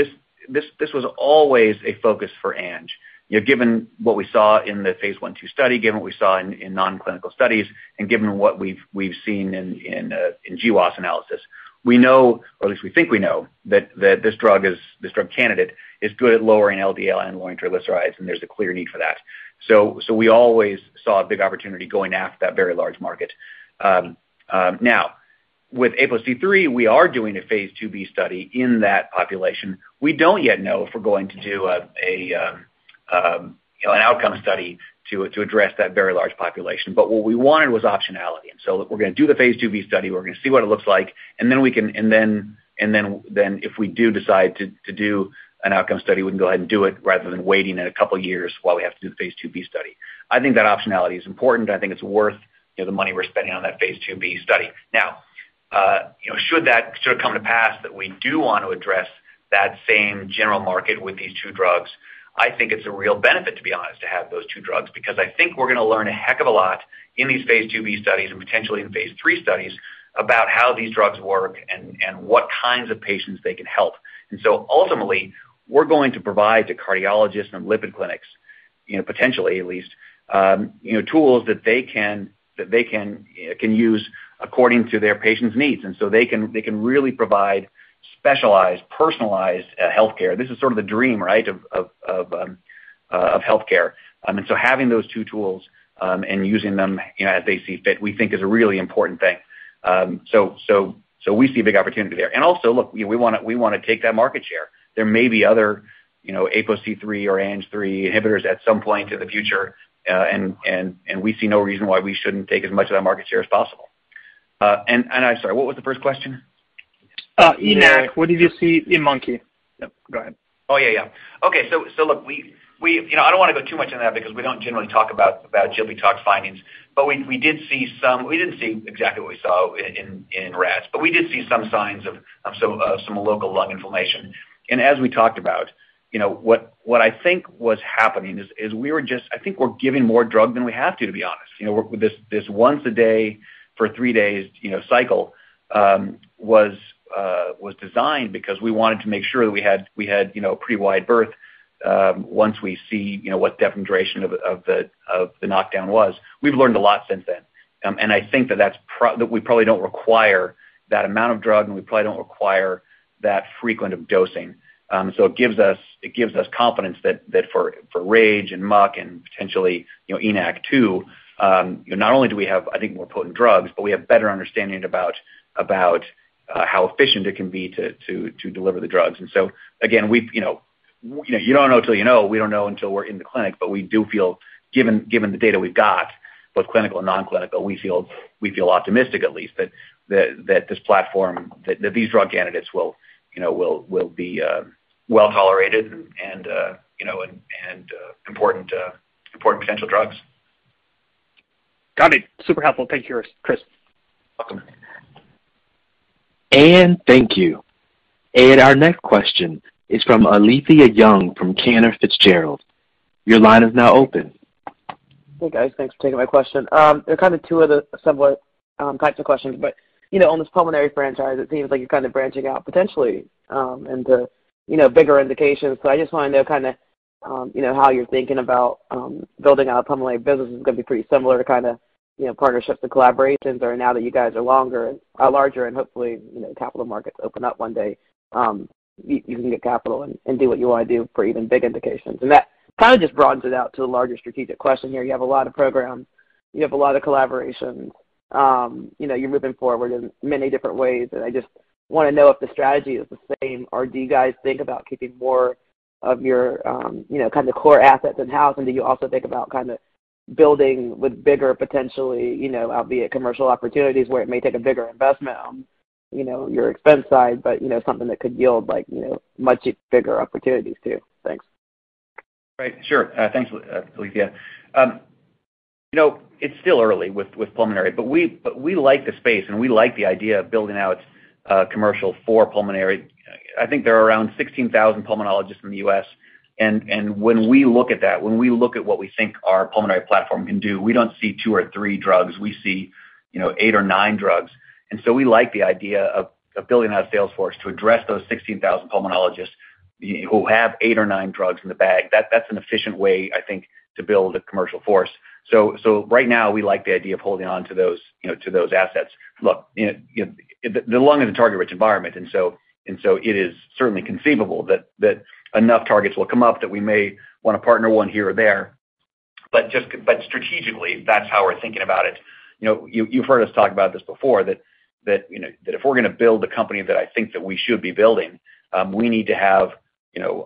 C: this was always a focus for ANG. You know, given what we saw in the phase I/II study, given what we saw in non-clinical studies, and given what we've seen in GWAS analysis. We know, or at least we think we know that this drug candidate is good at lowering LDL and lowering triglycerides, and there's a clear need for that. We always saw a big opportunity going after that very large market. Now with APOC3, we are doing a phase IIb study in that population. We don't yet know if we're going to do an outcome study to address that very large population. What we wanted was optionality. We're gonna do the phase IIb study, we're gonna see what it looks like, and then we can. If we do decide to do an outcome study, we can go ahead and do it rather than waiting in a couple years while we have to do the phase IIb study. I think that optionality is important, and I think it's worth, you know, the money we're spending on that phase IIb study. Now, you know, should that sort of come to pass that we do want to address that same general market with these two drugs, I think it's a real benefit, to be honest, to have those two drugs, because I think we're gonna learn a heck of a lot in these phase IIb studies and potentially in phase III studies about how these drugs work and what kinds of patients they can help. Ultimately, we're going to provide to cardiologists and lipid clinics, you know, potentially at least, you know, tools that they can use according to their patients' needs. They can really provide specialized, personalized healthcare. This is sort of the dream, right, of healthcare. Having those two tools, and using them, you know, as they see fit, we think is a really important thing. We see a big opportunity there. Look, you know, we wanna take that market share. There may be other, you know, APOC3 or ANG3 inhibitors at some point in the future. We see no reason why we shouldn't take as much of that market share as possible. I'm sorry, what was the first question?
L: ENaC. What did you see in monkey? Yep, go ahead.
C: Oh, yeah. Okay. Look, you know, I don't wanna go too much into that because we don't generally talk about GLP tox findings, but we did see some. We didn't see exactly what we saw in rats, but we did see some signs of some local lung inflammation. As we talked about, you know, what I think was happening is I think we're giving more drug than we have to be honest. You know, this once a day for three days cycle was designed because we wanted to make sure that we had a pretty wide berth once we see what duration of the knockdown was. We've learned a lot since then. I think that we probably don't require that amount of drug, and we probably don't require that frequent of dosing. So it gives us confidence that for RAGE and MUC and potentially, you know, ENAC too, not only do we have, I think, more potent drugs, but we have better understanding about how efficient it can be to deliver the drugs. Again, we've, you know, you don't know till you know. We don't know until we're in the clinic, but we do feel, given the data we've got, both clinical and non-clinical, we feel optimistic at least that this platform, that these drug candidates will, you know, will be well tolerated and, you know, and important potential drugs.
L: Got it. Super helpful. Thank you, Chris.
C: Welcome.
A: Thank you. Our next question is from Alethia Young from Cantor Fitzgerald. Your line is now open.
M: Hey, guys. Thanks for taking my question. There are kind of two other somewhat types of questions, but you know, on this pulmonary franchise, it seems like you're kind of branching out potentially into you know, bigger indications. So I just wanna know kinda you know, how you're thinking about building out a pulmonary business is gonna be pretty similar to kinda you know, partnerships and collaborations, or now that you guys are larger and hopefully you know, capital markets open up one day, you can get capital and do what you wanna do for even big indications. That kind of just broadens it out to the larger strategic question here. You have a lot of programs, you have a lot of collaborations, you know, you're moving forward in many different ways, and I just wanna know if the strategy is the same or do you guys think about keeping more of your, you know, kind of the core assets in-house? Do you also think about kind of building with bigger potentially, you know, albeit commercial opportunities where it may take a bigger investment on, you know, your expense side, but you know, something that could yield like, you know, much bigger opportunities too. Thanks.
C: Right. Sure. Thanks, Alethia. You know, it's still early with pulmonary, but we like the space and we like the idea of building out commercial for pulmonary. I think there are around 16,000 pulmonologists in the U.S. and when we look at that, when we look at what we think our pulmonary platform can do, we don't see 2 or 3 drugs. We see, you know, 8 or 9 drugs. We like the idea of building out a sales force to address those 16,000 pulmonologists who have 8 or 9 drugs in the bag. That's an efficient way, I think, to build a commercial force. Right now we like the idea of holding on to those, you know, to those assets. Look, you know, the lung is a target-rich environment and so it is certainly conceivable that enough targets will come up that we may wanna partner one here or there, but strategically, that's how we're thinking about it. You know, you've heard us talk about this before that, you know, that if we're gonna build the company that I think that we should be building, we need to have, you know,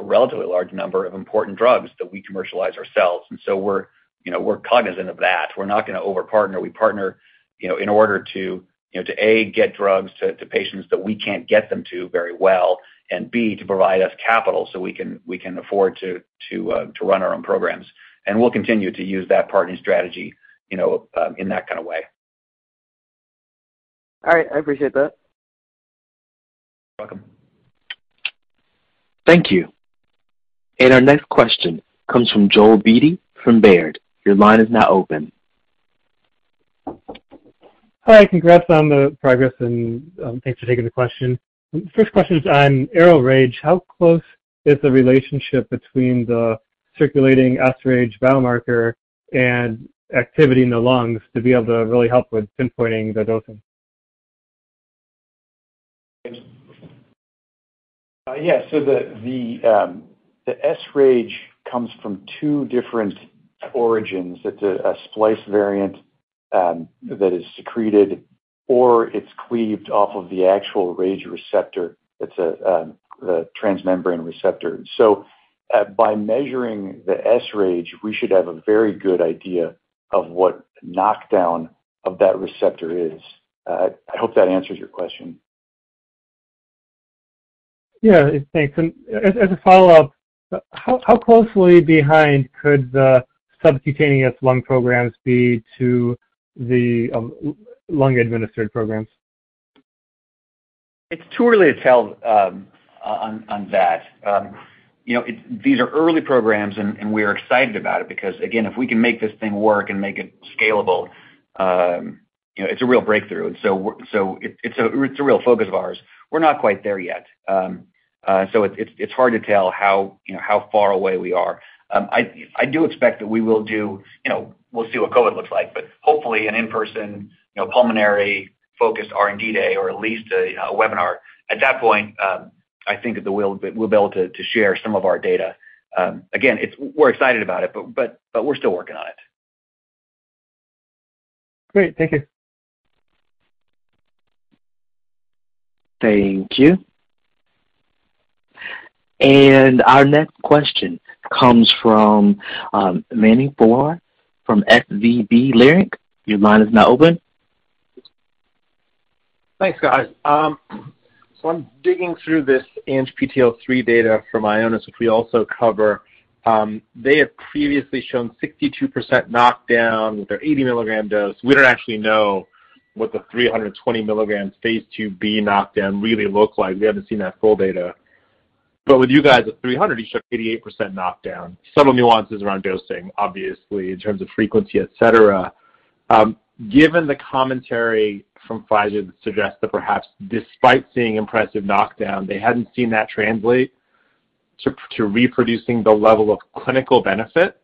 C: a relatively large number of important drugs that we commercialize ourselves. We're cognizant of that. We're not gonna over-partner. We partner, you know, in order to, you know, to A, get drugs to patients that we can't get them to very well, and B, to provide us capital so we can afford to run our own programs. We'll continue to use that partnering strategy, you know, in that kinda way.
M: All right. I appreciate that.
C: You're welcome.
A: Thank you. Our next question comes from Joel Beatty from Baird. Your line is now open.
N: Hi. Congrats on the progress, and, thanks for taking the question. First question is on ARO-RAGE. How close is the relationship between the circulating sRAGE biomarker and activity in the lungs to be able to really help with pinpointing the dosing?
E: Yeah. The sRAGE comes from two different origins. It's a splice variant that is secreted, or it's cleaved off of the actual RAGE receptor. It's a transmembrane receptor. By measuring the sRAGE, we should have a very good idea of what knockdown of that receptor is. I hope that answers your question.
N: Yeah. Thanks. As a follow-up, how closely behind could the subcutaneous lung programs be to the lung-administered programs?
C: It's too early to tell on that. You know, these are early programs and we're excited about it because, again, if we can make this thing work and make it scalable, you know, it's a real breakthrough. So it's a real focus of ours. We're not quite there yet. So it's hard to tell how, you know, how far away we are. I do expect that we will do. You know, we'll see what COVID looks like, but hopefully an in-person, you know, pulmonary-focused R&D day or at least a webinar. At that point, I think that we'll be able to share some of our data. Again, we're excited about it, but we're still working on it.
N: Great. Thank you.
A: Thank you. Our next question comes from Mani Foroohar from SVB Leerink. Your line is now open.
O: Thanks, guys. I'm digging through this ANGPTL3 data from Ionis, which we also cover. They have previously shown 62% knockdown with their 80-mg dose. We don't actually know what the 320 mg phase IIb knockdown really looks like. We haven't seen that full data. With you guys at 300, you showed 88% knockdown. Subtle nuances around dosing, obviously, in terms of frequency, et cetera. Given the commentary from Pfizer that suggests that perhaps despite seeing impressive knockdown, they hadn't seen that translate to reproducing the level of clinical benefit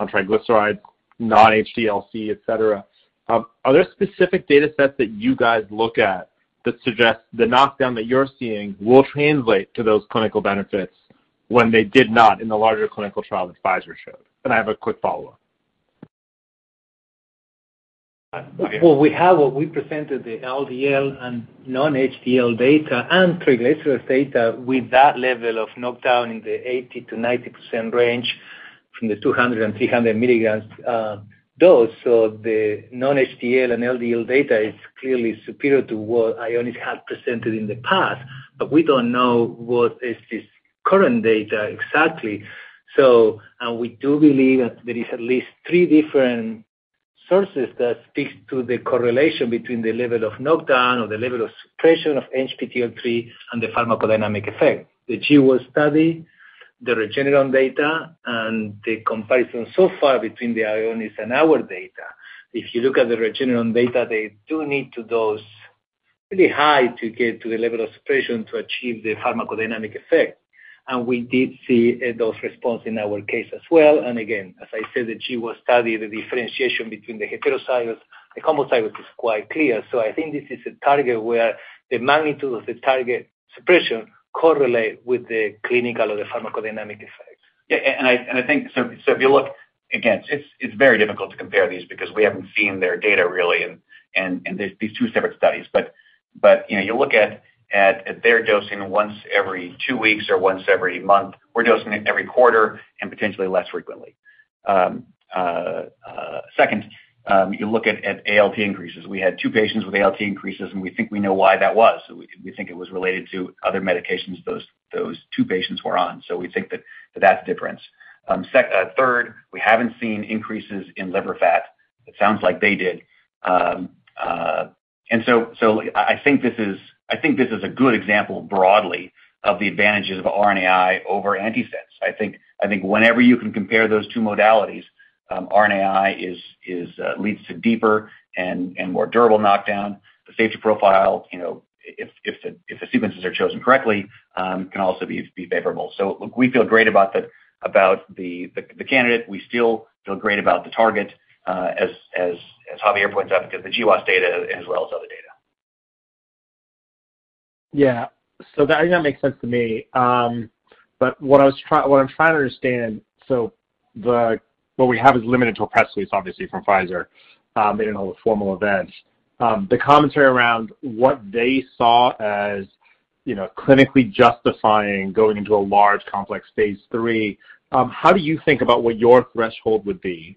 O: on triglycerides, non-HDL-C, et cetera, are there specific datasets that you guys look at that suggest the knockdown that you're seeing will translate to those clinical benefits when they did not in the larger clinical trial that Pfizer showed? I have a quick follow-up.
D: Well, we have what we presented, the LDL and non-HDL data and triglycerides data with that level of knockdown in the 80%-90% range from the 200 and 300 milligrams dose. The non-HDL and LDL data is clearly superior to what Ionis had presented in the past. We don't know what is this current data exactly. We do believe that there is at least three different sources that speaks to the correlation between the level of knockdown or the level of suppression of ANGPTL3 and the pharmacodynamic effect. The GWAS study, the Regeneron data, and the comparison so far between the Ionis and our data. If you look at the Regeneron data, they do need to dose really high to get to the level of suppression to achieve the pharmacodynamic effect. We did see a dose response in our case as well. Again, as I said, the GWAS study, the differentiation between the heterozygous and homozygous is quite clear. I think this is a target where the magnitude of the target suppression correlate with the clinical or the pharmacodynamic effects.
C: I think so if you look, again, it's very difficult to compare these because we haven't seen their data really and there's these two separate studies. You know, you look at their dosing once every 2 weeks or once every month. We're dosing it every quarter and potentially less frequently. Second, you look at ALT increases. We had 2 patients with ALT increases, and we think we know why that was. We think it was related to other medications those 2 patients were on. We think that's the difference. Third, we haven't seen increases in liver fat. It sounds like they did. I think this is a good example broadly of the advantages of RNAi over antisense. I think whenever you can compare those two modalities, RNAi leads to deeper and more durable knockdown. The safety profile, you know, if the sequences are chosen correctly, can also be favorable. Look, we feel great about the candidate. We still feel great about the target, as Javier points out because the GWAS data as well as other data.
O: Yeah. That, you know, makes sense to me. But what I'm trying to understand, what we have is limited to a press release, obviously, from Pfizer. They didn't hold a formal event. The commentary around what they saw as, you know, clinically justifying going into a large complex phase III, how do you think about what your threshold would be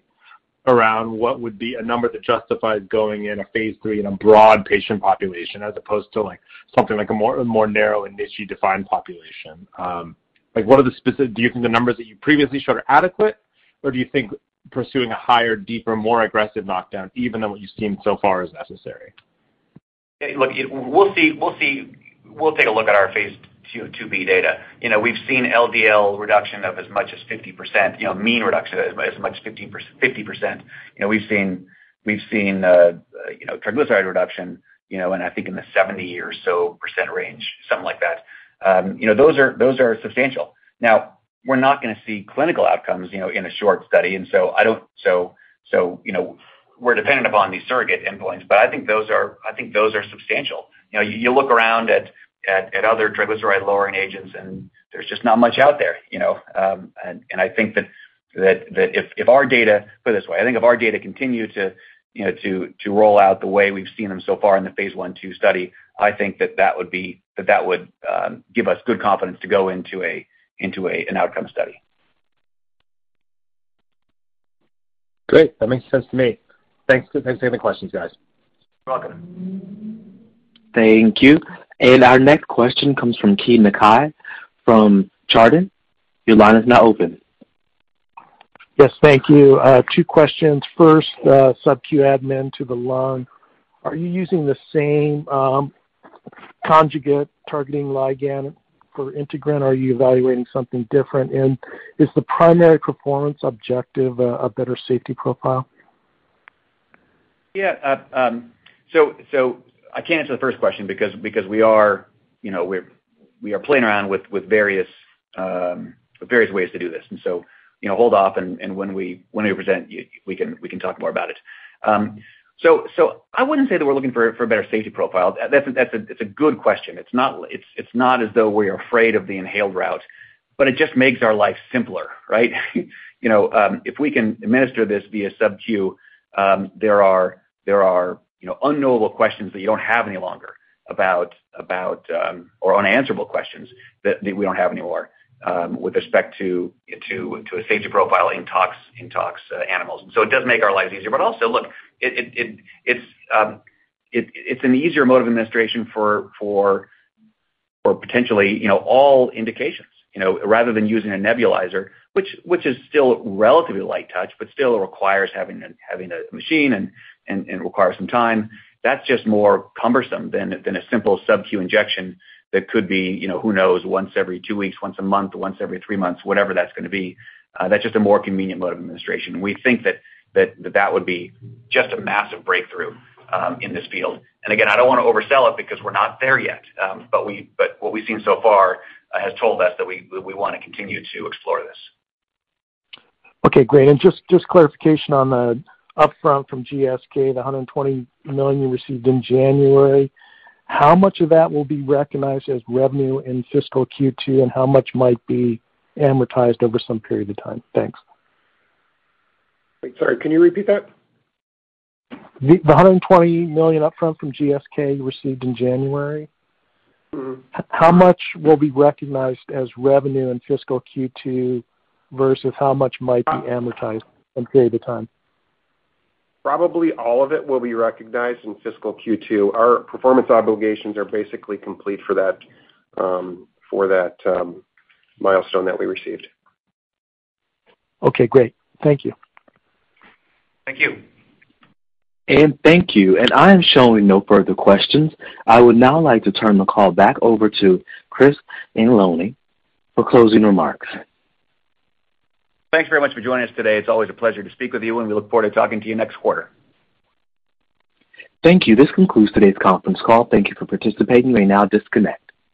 O: around what would be a number that justifies going in a phase III in a broad patient population as opposed to, like, something like a more narrow and niche-defined population? Like, do you think the numbers that you previously showed are adequate, or do you think pursuing a higher, deeper, more aggressive knockdown even than what you've seen so far is necessary?
C: Look, we'll see. We'll take a look at our phase IIb data. You know, we've seen LDL reduction of as much as 50%, you know, mean reduction as much as 15%-50%. You know, we've seen triglyceride reduction, you know, and I think in the 70% or so range, something like that. You know, those are substantial. Now, we're not gonna see clinical outcomes, you know, in a short study, so you know, we're dependent upon these surrogate endpoints, but I think those are substantial. You know, you look around at other triglyceride lowering agents, and there's just not much out there, you know. I think that if our data Put it this way, I think if our data continue to, you know, roll out the way we've seen them so far in the phase I/II study, I think that would give us good confidence to go into an outcome study.
O: Great. That makes sense to me. Thanks. Thanks for taking the questions, guys.
C: You're welcome.
A: Thank you. Our next question comes from Keay Nakae from Chardan. Your line is now open.
P: Yes. Thank you. Two questions. First, subq admin to the lung. Are you using the same conjugate targeting ligand for integrin, or are you evaluating something different? And is the primary performance objective a better safety profile?
C: I can't answer the first question because you know we're playing around with various ways to do this. You know hold off and when we present we can talk more about it. I wouldn't say that we're looking for a better safety profile. That's a good question. It's not as though we are afraid of the inhaled route, but it just makes our life simpler, right? You know, if we can administer this via subq, there are, you know, unknowable questions that you don't have any longer about, or unanswerable questions that we don't have any more, with respect to a safety profile in tox animals. It does make our lives easier. Look, it's an easier mode of administration for potentially all indications, you know, rather than using a nebulizer, which is still relatively light touch but still requires having a machine and requires some time. That's just more cumbersome than a simple subq injection that could be, you know, who knows, once every two weeks, once a month, once every three months, whatever that's gonna be. That's just a more convenient mode of administration. We think that would be just a massive breakthrough in this field. Again, I don't wanna oversell it because we're not there yet. What we've seen so far has told us that we wanna continue to explore this.
P: Okay, great. Just clarification on the upfront from GSK, the $120 million you received in January, how much of that will be recognized as revenue in fiscal Q2, and how much might be amortized over some period of time? Thanks.
C: Sorry, can you repeat that?
P: The $120 million upfront from GSK you received in January.
C: Mm-hmm.
P: How much will be recognized as revenue in fiscal Q2 versus how much might be amortized some period of time?
C: Probably all of it will be recognized in fiscal Q2. Our performance obligations are basically complete for that, milestone that we received.
P: Okay, great. Thank you.
C: Thank you.
A: Thank you. I am showing no further questions. I would now like to turn the call back over to Christopher Anzalone for closing remarks.
C: Thanks very much for joining us today. It's always a pleasure to speak with you, and we look forward to talking to you next quarter.
A: Thank you. This concludes today's conference call. Thank you for participating. You may now disconnect.